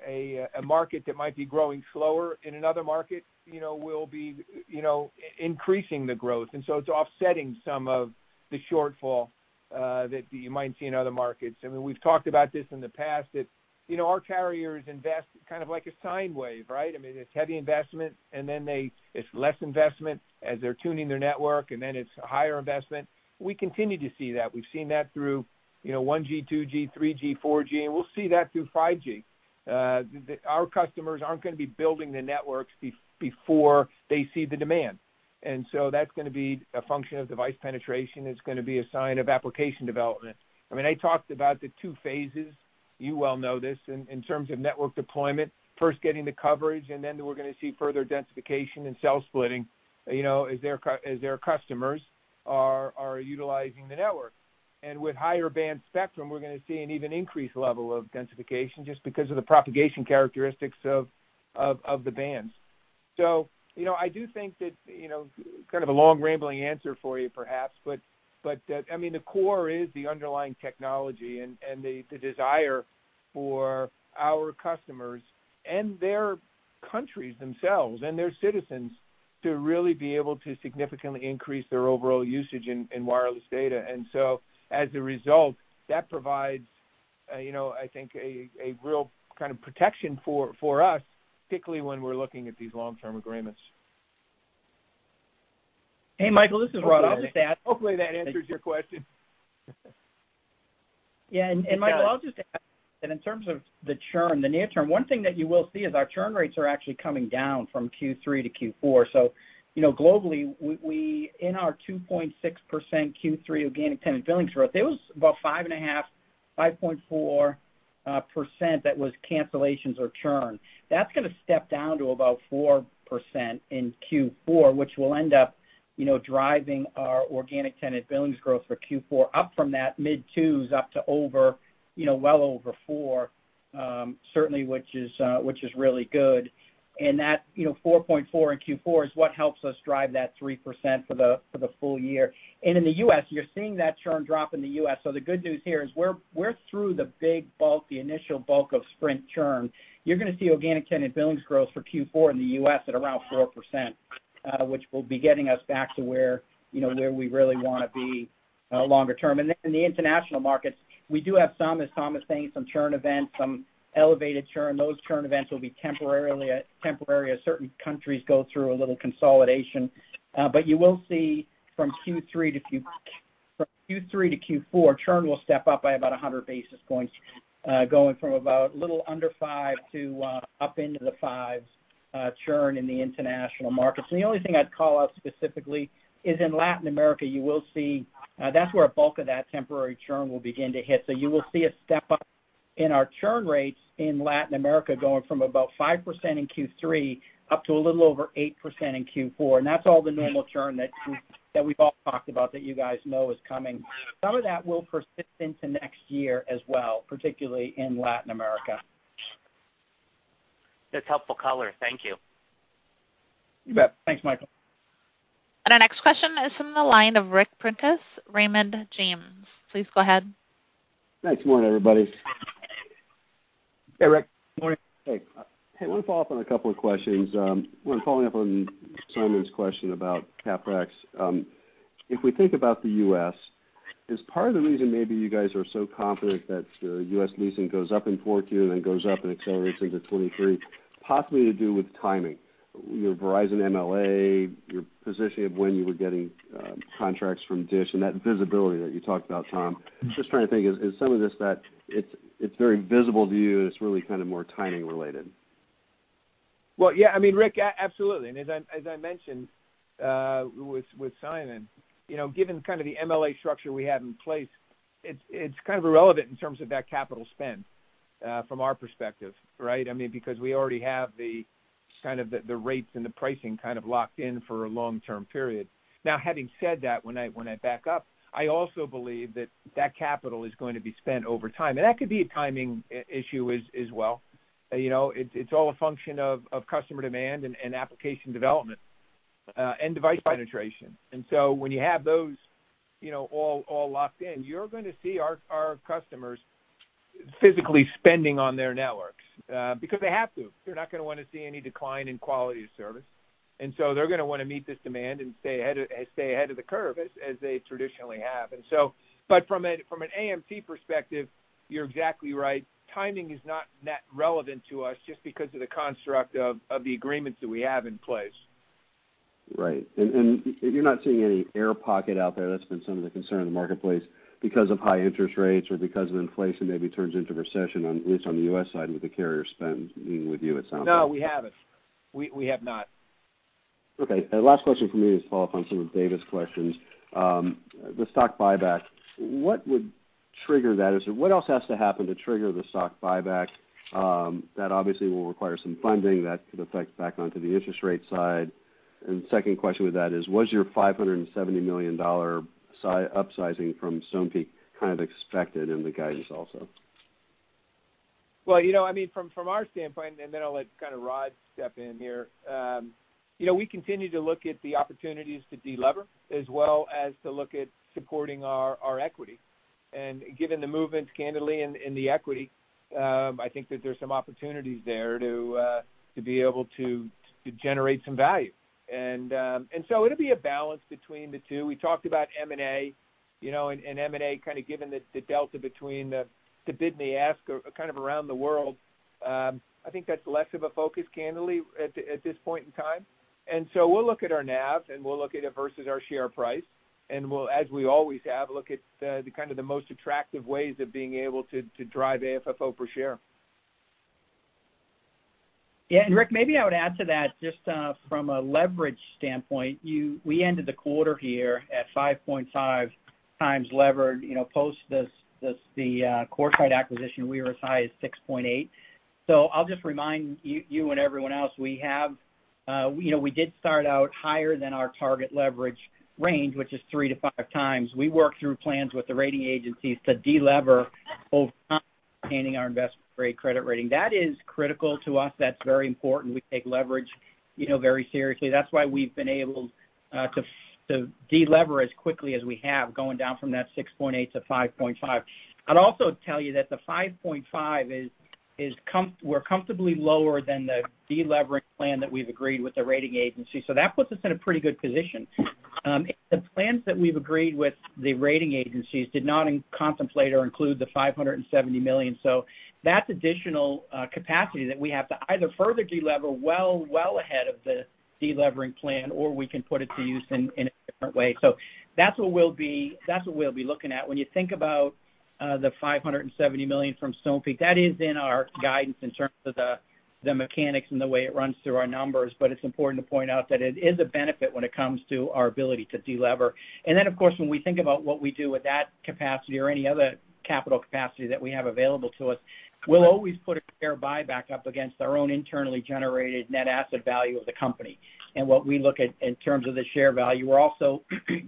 market that might be growing slower in another market, you know, we'll be, you know, increasing the growth. It's offsetting some of the shortfall that you might see in other markets. I mean, we've talked about this in the past, that, you know, our carriers invest kind of like a sine wave, right? I mean, it's heavy investment, and then it's less investment as they're tuning their network, and then it's higher investment. We continue to see that. We've seen that through, you know, 1G, 2G, 3G, 4G, and we'll see that through 5G. Our customers aren't gonna be building the networks before they see the demand. That's gonna be a function of device penetration. It's gonna be a sign of application development. I mean, I talked about the two phases, you'll know this, in terms of network deployment. First getting the coverage, and then we're gonna see further densification and cell splitting, you know, as their customers are utilizing the network. With higher band spectrum, we're gonna see an even increased level of densification just because of the propagation characteristics of the bands. You know, I do think that, you know, kind of a long, rambling answer for you perhaps, but I mean, the core is the underlying technology and the desire for our customers and their countries themselves and their citizens to really be able to significantly increase their overall usage in wireless data. As a result, that provides, you know, I think a real kind of protection for us, particularly when we're looking at these long-term agreements. Hey, Michael, this is Rod. I'll just add- Hopefully that answers your question. Yeah. Michael, I'll just add that in terms of the churn, the near term, one thing that you will see is our churn rates are actually coming down from Q3 to Q4. You know, globally, we in our 2.6% Q3 organic tenant billings growth, it was about 5.5.4% that was cancellations or churn. That's gonna step down to about 4% in Q4, which will end up, you know, driving our organic tenant billings growth for Q4 up from that mid twos up to over, you know, well over four, certainly, which is really good. That, you know, 4.4 in Q4 is what helps us drive that 3% for the full year. In the U,S., you're seeing that churn drop in the U.S. The good news here is we're through the big bulk, the initial bulk of Sprint churn. You're gonna see Organic Tenant Billings Growth for Q4 in the U.S. at around 4%, which will be getting us back to where, you know, where we really wanna be, longer term. Then in the international markets, we do have some, as Tom was saying, some churn events, some elevated churn. Those churn events will be temporary as certain countries go through a little consolidation. You will see from Q3 to Q4, churn will step up by about 100 basis points, going from about a little under 5% to up into the 5s, churn in the international markets. The only thing I'd call out specifically is in Latin America, you will see, that's where a bulk of that temporary churn will begin to hit. You will see a step-up in our churn rates in Latin America going from about 5% in Q3 up to a little over 8% in Q4. That's all the normal churn that we've all talked about, that you guys know is coming. Some of that will persist into next year as well, particularly in Latin America. That's helpful color. Thank you. You bet. Thanks, Michael. Our next question is from the line of Ric Prentiss, Raymond James. Please go ahead. Thanks. Morning, everybody. Hey, Ric. Morning. Hey. Hey, wanna follow up on a couple of questions. One following up on Simon's question about CapEx. If we think about the U.S., is part of the reason maybe you guys are so confident that U.S. leasing goes up in 4Q and then goes up and accelerates into 2023, possibly to do with timing, your Verizon MLA, your positioning of when you were getting contracts from Dish and that visibility that you talked about, Tom. Just trying to think, is some of this that it's very visible to you and it's really kind of more timing related? Well, yeah, I mean, Ric, absolutely. As I mentioned with Simon, you know, given kind of the MLA structure we have in place, it's kind of irrelevant in terms of that capital spend from our perspective, right? I mean, because we already have the rates and the pricing kind of locked in for a long-term period. Now, having said that, when I back up, I also believe that that capital is going to be spent over time. That could be a timing issue as well. You know, it's all a function of customer demand and application development and device penetration. When you have those all locked in, you're gonna see our customers physically spending on their networks because they have to. They're not gonna wanna see any decline in quality of service. They're gonna wanna meet this demand and stay ahead of the curve as they traditionally have. From an AMT perspective, you're exactly right. Timing is not that relevant to us just because of the construct of the agreements that we have in place. Right. You're not seeing any air pocket out there that's been some of the concern in the marketplace because of high interest rates or because of inflation maybe turns into recession, at least on the US side with the carrier spend, meaning with you, it sounds like. No, we haven't. We have not. The last question from me is to follow up on some of David's questions. The stock buyback, what would trigger that? What else has to happen to trigger the stock buyback? That obviously will require some funding that could affect back onto the interest rate side. Second question with that is, was your $570 million size-upsizing from Stonepeak kind of expected in the guidance also? You know, I mean, from our standpoint, and then I'll let kind of Rod step in here. You know, we continue to look at the opportunities to de-lever as well as to look at supporting our equity. It'll be a balance between the two. We talked about M&A, you know, and M&A kind of given the delta between the bid and the ask kind of around the world. I think that's less of a focus, candidly, at this point in time. We'll look at our NAV, and we'll look at it versus our share price. We'll, as we always have, look at the most attractive ways of being able to drive AFFO per share. Yeah. Rick, maybe I would add to that just, from a leverage standpoint. We ended the quarter here at 5.5 times levered. You know, post the CoreSite acquisition, we were as high as 6.8. I'll just remind you and everyone else, we have, you know, we did start out higher than our target leverage range, which is 3-5 times. We worked through plans with the rating agencies to delever over time. Maintaining our investment grade credit rating. That is critical to us. That's very important. We take leverage, you know, very seriously. That's why we've been able to delever as quickly as we have, going down from that 6.8-5.5. I'd also tell you that the 5.5 is comfortably lower than the delevering plan that we've agreed with the rating agency. That puts us in a pretty good position. The plans that we've agreed with the rating agencies did not contemplate or include the $570 million. That's additional capacity that we have to either further delever well ahead of the delevering plan, or we can put it to use in a different way. That's what we'll be looking at. When you think about the $570 million from Stonepeak, that is in our guidance in terms of the mechanics and the way it runs through our numbers. It's important to point out that it is a benefit when it comes to our ability to de-lever. Then, of course, when we think about what we do with that capacity or any other capital capacity that we have available to us, we'll always put a share buyback up against our own internally generated net asset value of the company. What we look at in terms of the share value, we're also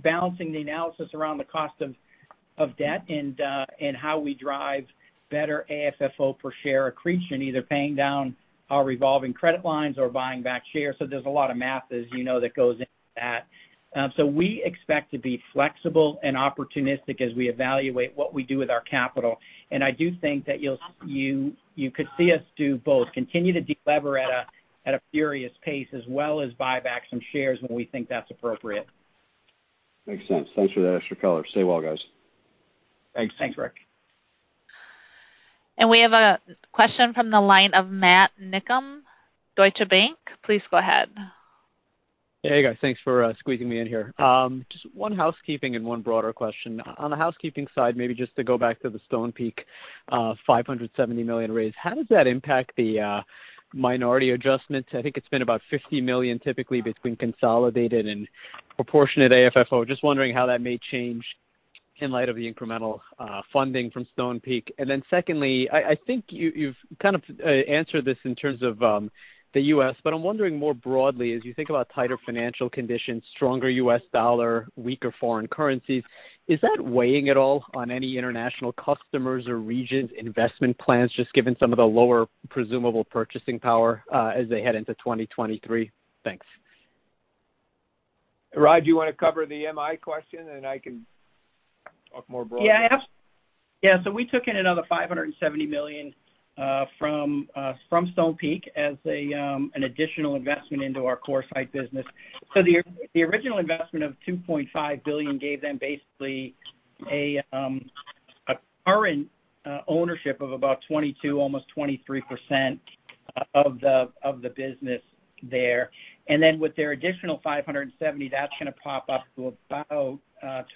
balancing the analysis around the cost of debt and how we drive better AFFO per share accretion, either paying down our revolving credit lines or buying back shares. There's a lot of math, as you know, that goes into that. We expect to be flexible and opportunistic as we evaluate what we do with our capital. I do think that you could see us do both, continue to de-lever at a furious pace, as well as buy back some shares when we think that's appropriate. Makes sense. Thanks for the extra color. Stay well, guys. Thanks. Thanks, Ric. We have a question from the line of Matt Niknam, Deutsche Bank. Please go ahead. Hey, guys. Thanks for squeezing me in here. Just one housekeeping and one broader question. On the housekeeping side, maybe just to go back to the Stonepeak $570 million raise. How does that impact the minority adjustments? I think it's been about $50 million typically between consolidated and proportionate AFFO. Just wondering how that may change in light of the incremental funding from Stonepeak. Secondly, I think you've kind of answered this in terms of the U.S., but I'm wondering more broadly, as you think about tighter financial conditions, stronger U.S. dollar, weaker foreign currencies, is that weighing at all on any international customers or regions' investment plans, just given some of the presumably lower purchasing power as they head into 2023? Thanks. Rod, do you wanna cover the MI question, and I can talk more broadly? Yeah, we took in another $570 million from Stonepeak as an additional investment into our CoreSite business. The original investment of $2.5 billion gave them basically a current ownership of about 22%, almost 23% of the business there. With their additional $570 million, that's gonna pop up to about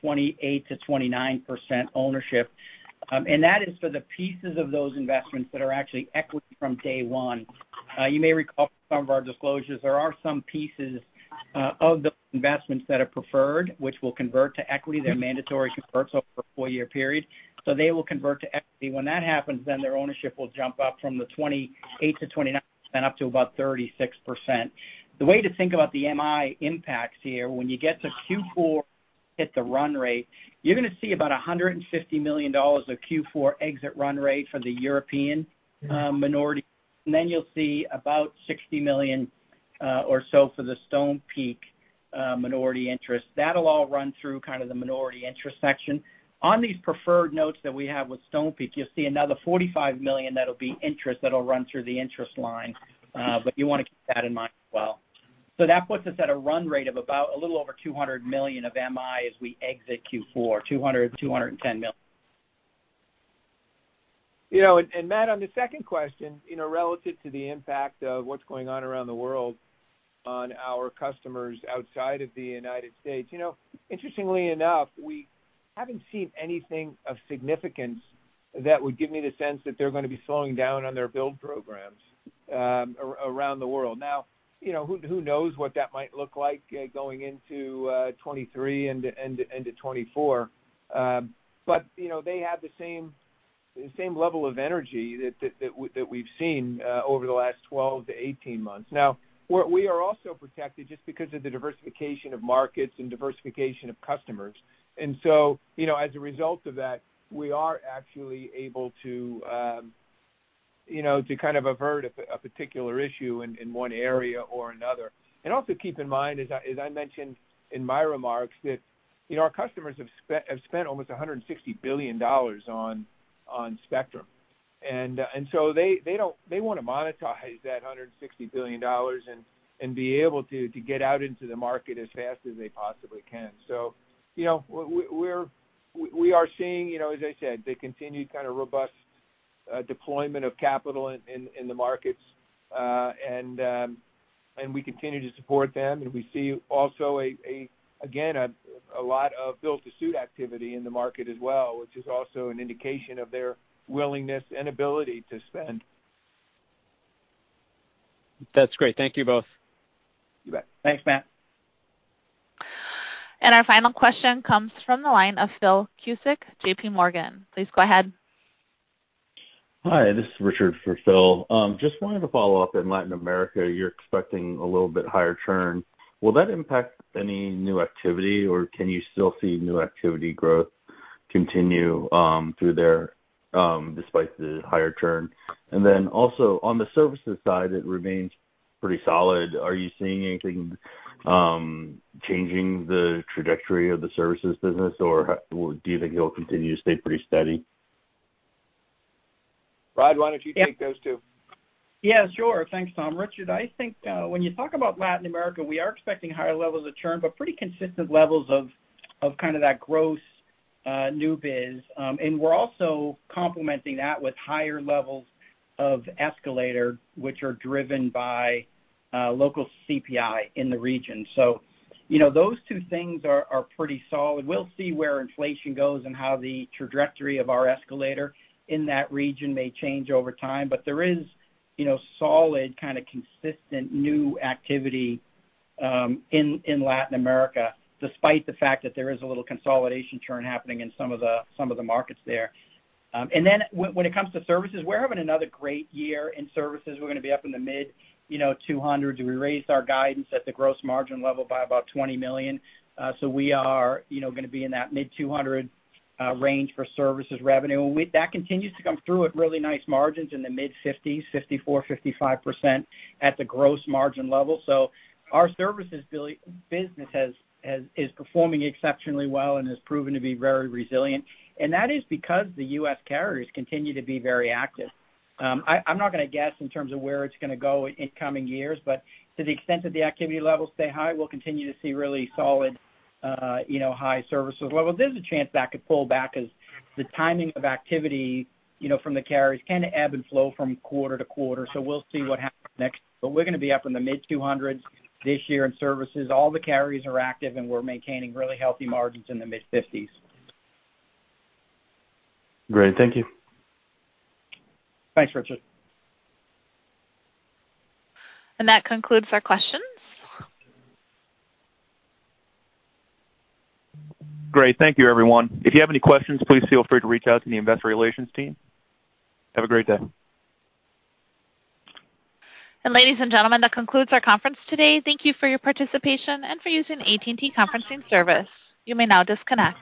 28-29% ownership. That is for the pieces of those investments that are actually equity from day one. You may recall from some of our disclosures, there are some pieces of those investments that are preferred, which will convert to equity. They're mandatory converts over a 4-year period. They will convert to equity. When that happens, their ownership will jump up from the 28-29% up to about 36%. The way to think about the MI impacts here, when you get to Q4 at the run rate, you're gonna see about $150 million of Q4 exit run rate for the European minority. You'll see about $60 million or so for the Stonepeak minority interest. That'll all run through kind of the minority interest section. On these preferred notes that we have with Stonepeak, you'll see another $45 million that'll be interest that'll run through the interest line. You wanna keep that in mind as well. That puts us at a run rate of about a little over $200 million of MI as we exit Q4, $210 million. You know, Matt, on the second question, you know, relative to the impact of what's going on around the world on our customers outside of the United States, you know, interestingly enough, we haven't seen anything of significance that would give me the sense that they're gonna be slowing down on their build programs around the world. Now, you know, who knows what that might look like going into 2023 and to 2024. You know, they have the same level of energy that we've seen over the last 12-18 months. Now what we are also protected just because of the diversification of markets and diversification of customers. You know, as a result of that, we are actually able to, you know, to kind of avert a particular issue in one area or another. Also keep in mind, as I mentioned in my remarks, that, you know, our customers have spent almost $160 billion on spectrum. They wanna monetize that $160 billion and be able to get out into the market as fast as they possibly can. You know, we are seeing, you know, as I said, the continued kind of robust deployment of capital in the markets, and we continue to support them. We see also a lot of build-to-suit activity in the market as well, which is also an indication of their willingness and ability to spend. That's great. Thank you both. You bet. Thanks, Matt. Our final question comes from the line of Philip Cusick, JPMorgan. Please go ahead. Hi, this is Richard for Phil. Just wanted to follow up in Latin America. You're expecting a little bit higher churn. Will that impact any new activity, or can you still see new activity growth continuing through there despite the higher churn. Also on the services side, it remains pretty solid. Are you seeing anything changing the trajectory of the services business, or do you think it'll continue to stay pretty steady? Rod, why don't you take those two? Yeah, sure. Thanks, Tom. Richard, I think when you talk about Latin America, we are expecting higher levels of churn, but pretty consistent levels of kind of that gross new biz. We're also complementing that with higher levels of escalator, which are driven by local CPI in the region. You know, those two things are pretty solid. We'll see where inflation goes and how the trajectory of our escalator in that region may change over time, but there is you know, solid kind of consistent new activity in Latin America, despite the fact that there is a little consolidation churn happening in some of the markets there. When it comes to services, we're having another great year in services. We're gonna be up in the mid-200s. We raised our guidance at the gross margin level by about $20 million. We are, you know, gonna be in that mid-200 range for services revenue. That continues to come through at really nice margins in the mid-50s, 54-55% at the gross margin level. Our services business is performing exceptionally well and has proven to be very resilient. That is because the U.S. carriers continue to be very active. I'm not gonna guess in terms of where it's gonna go in coming years, but to the extent that the activity levels stay high, we'll continue to see really solid, you know, high services levels. There's a chance that could pull back as the timing of activity, you know, from the carriers can ebb and flow from quarter to quarter, so we'll see what happens next. We're gonna be up in the mid-200s this year in services. All the carriers are active, and we're maintaining really healthy margins in the mid-50s%. Great. Thank you. Thanks, Richard. That concludes our questions. Great. Thank you, everyone. If you have any questions, please feel free to reach out to the investor relations team. Have a great day. Ladies and gentlemen, that concludes our conference today. Thank you for your participation and for using AT&T conferencing service. You may now disconnect.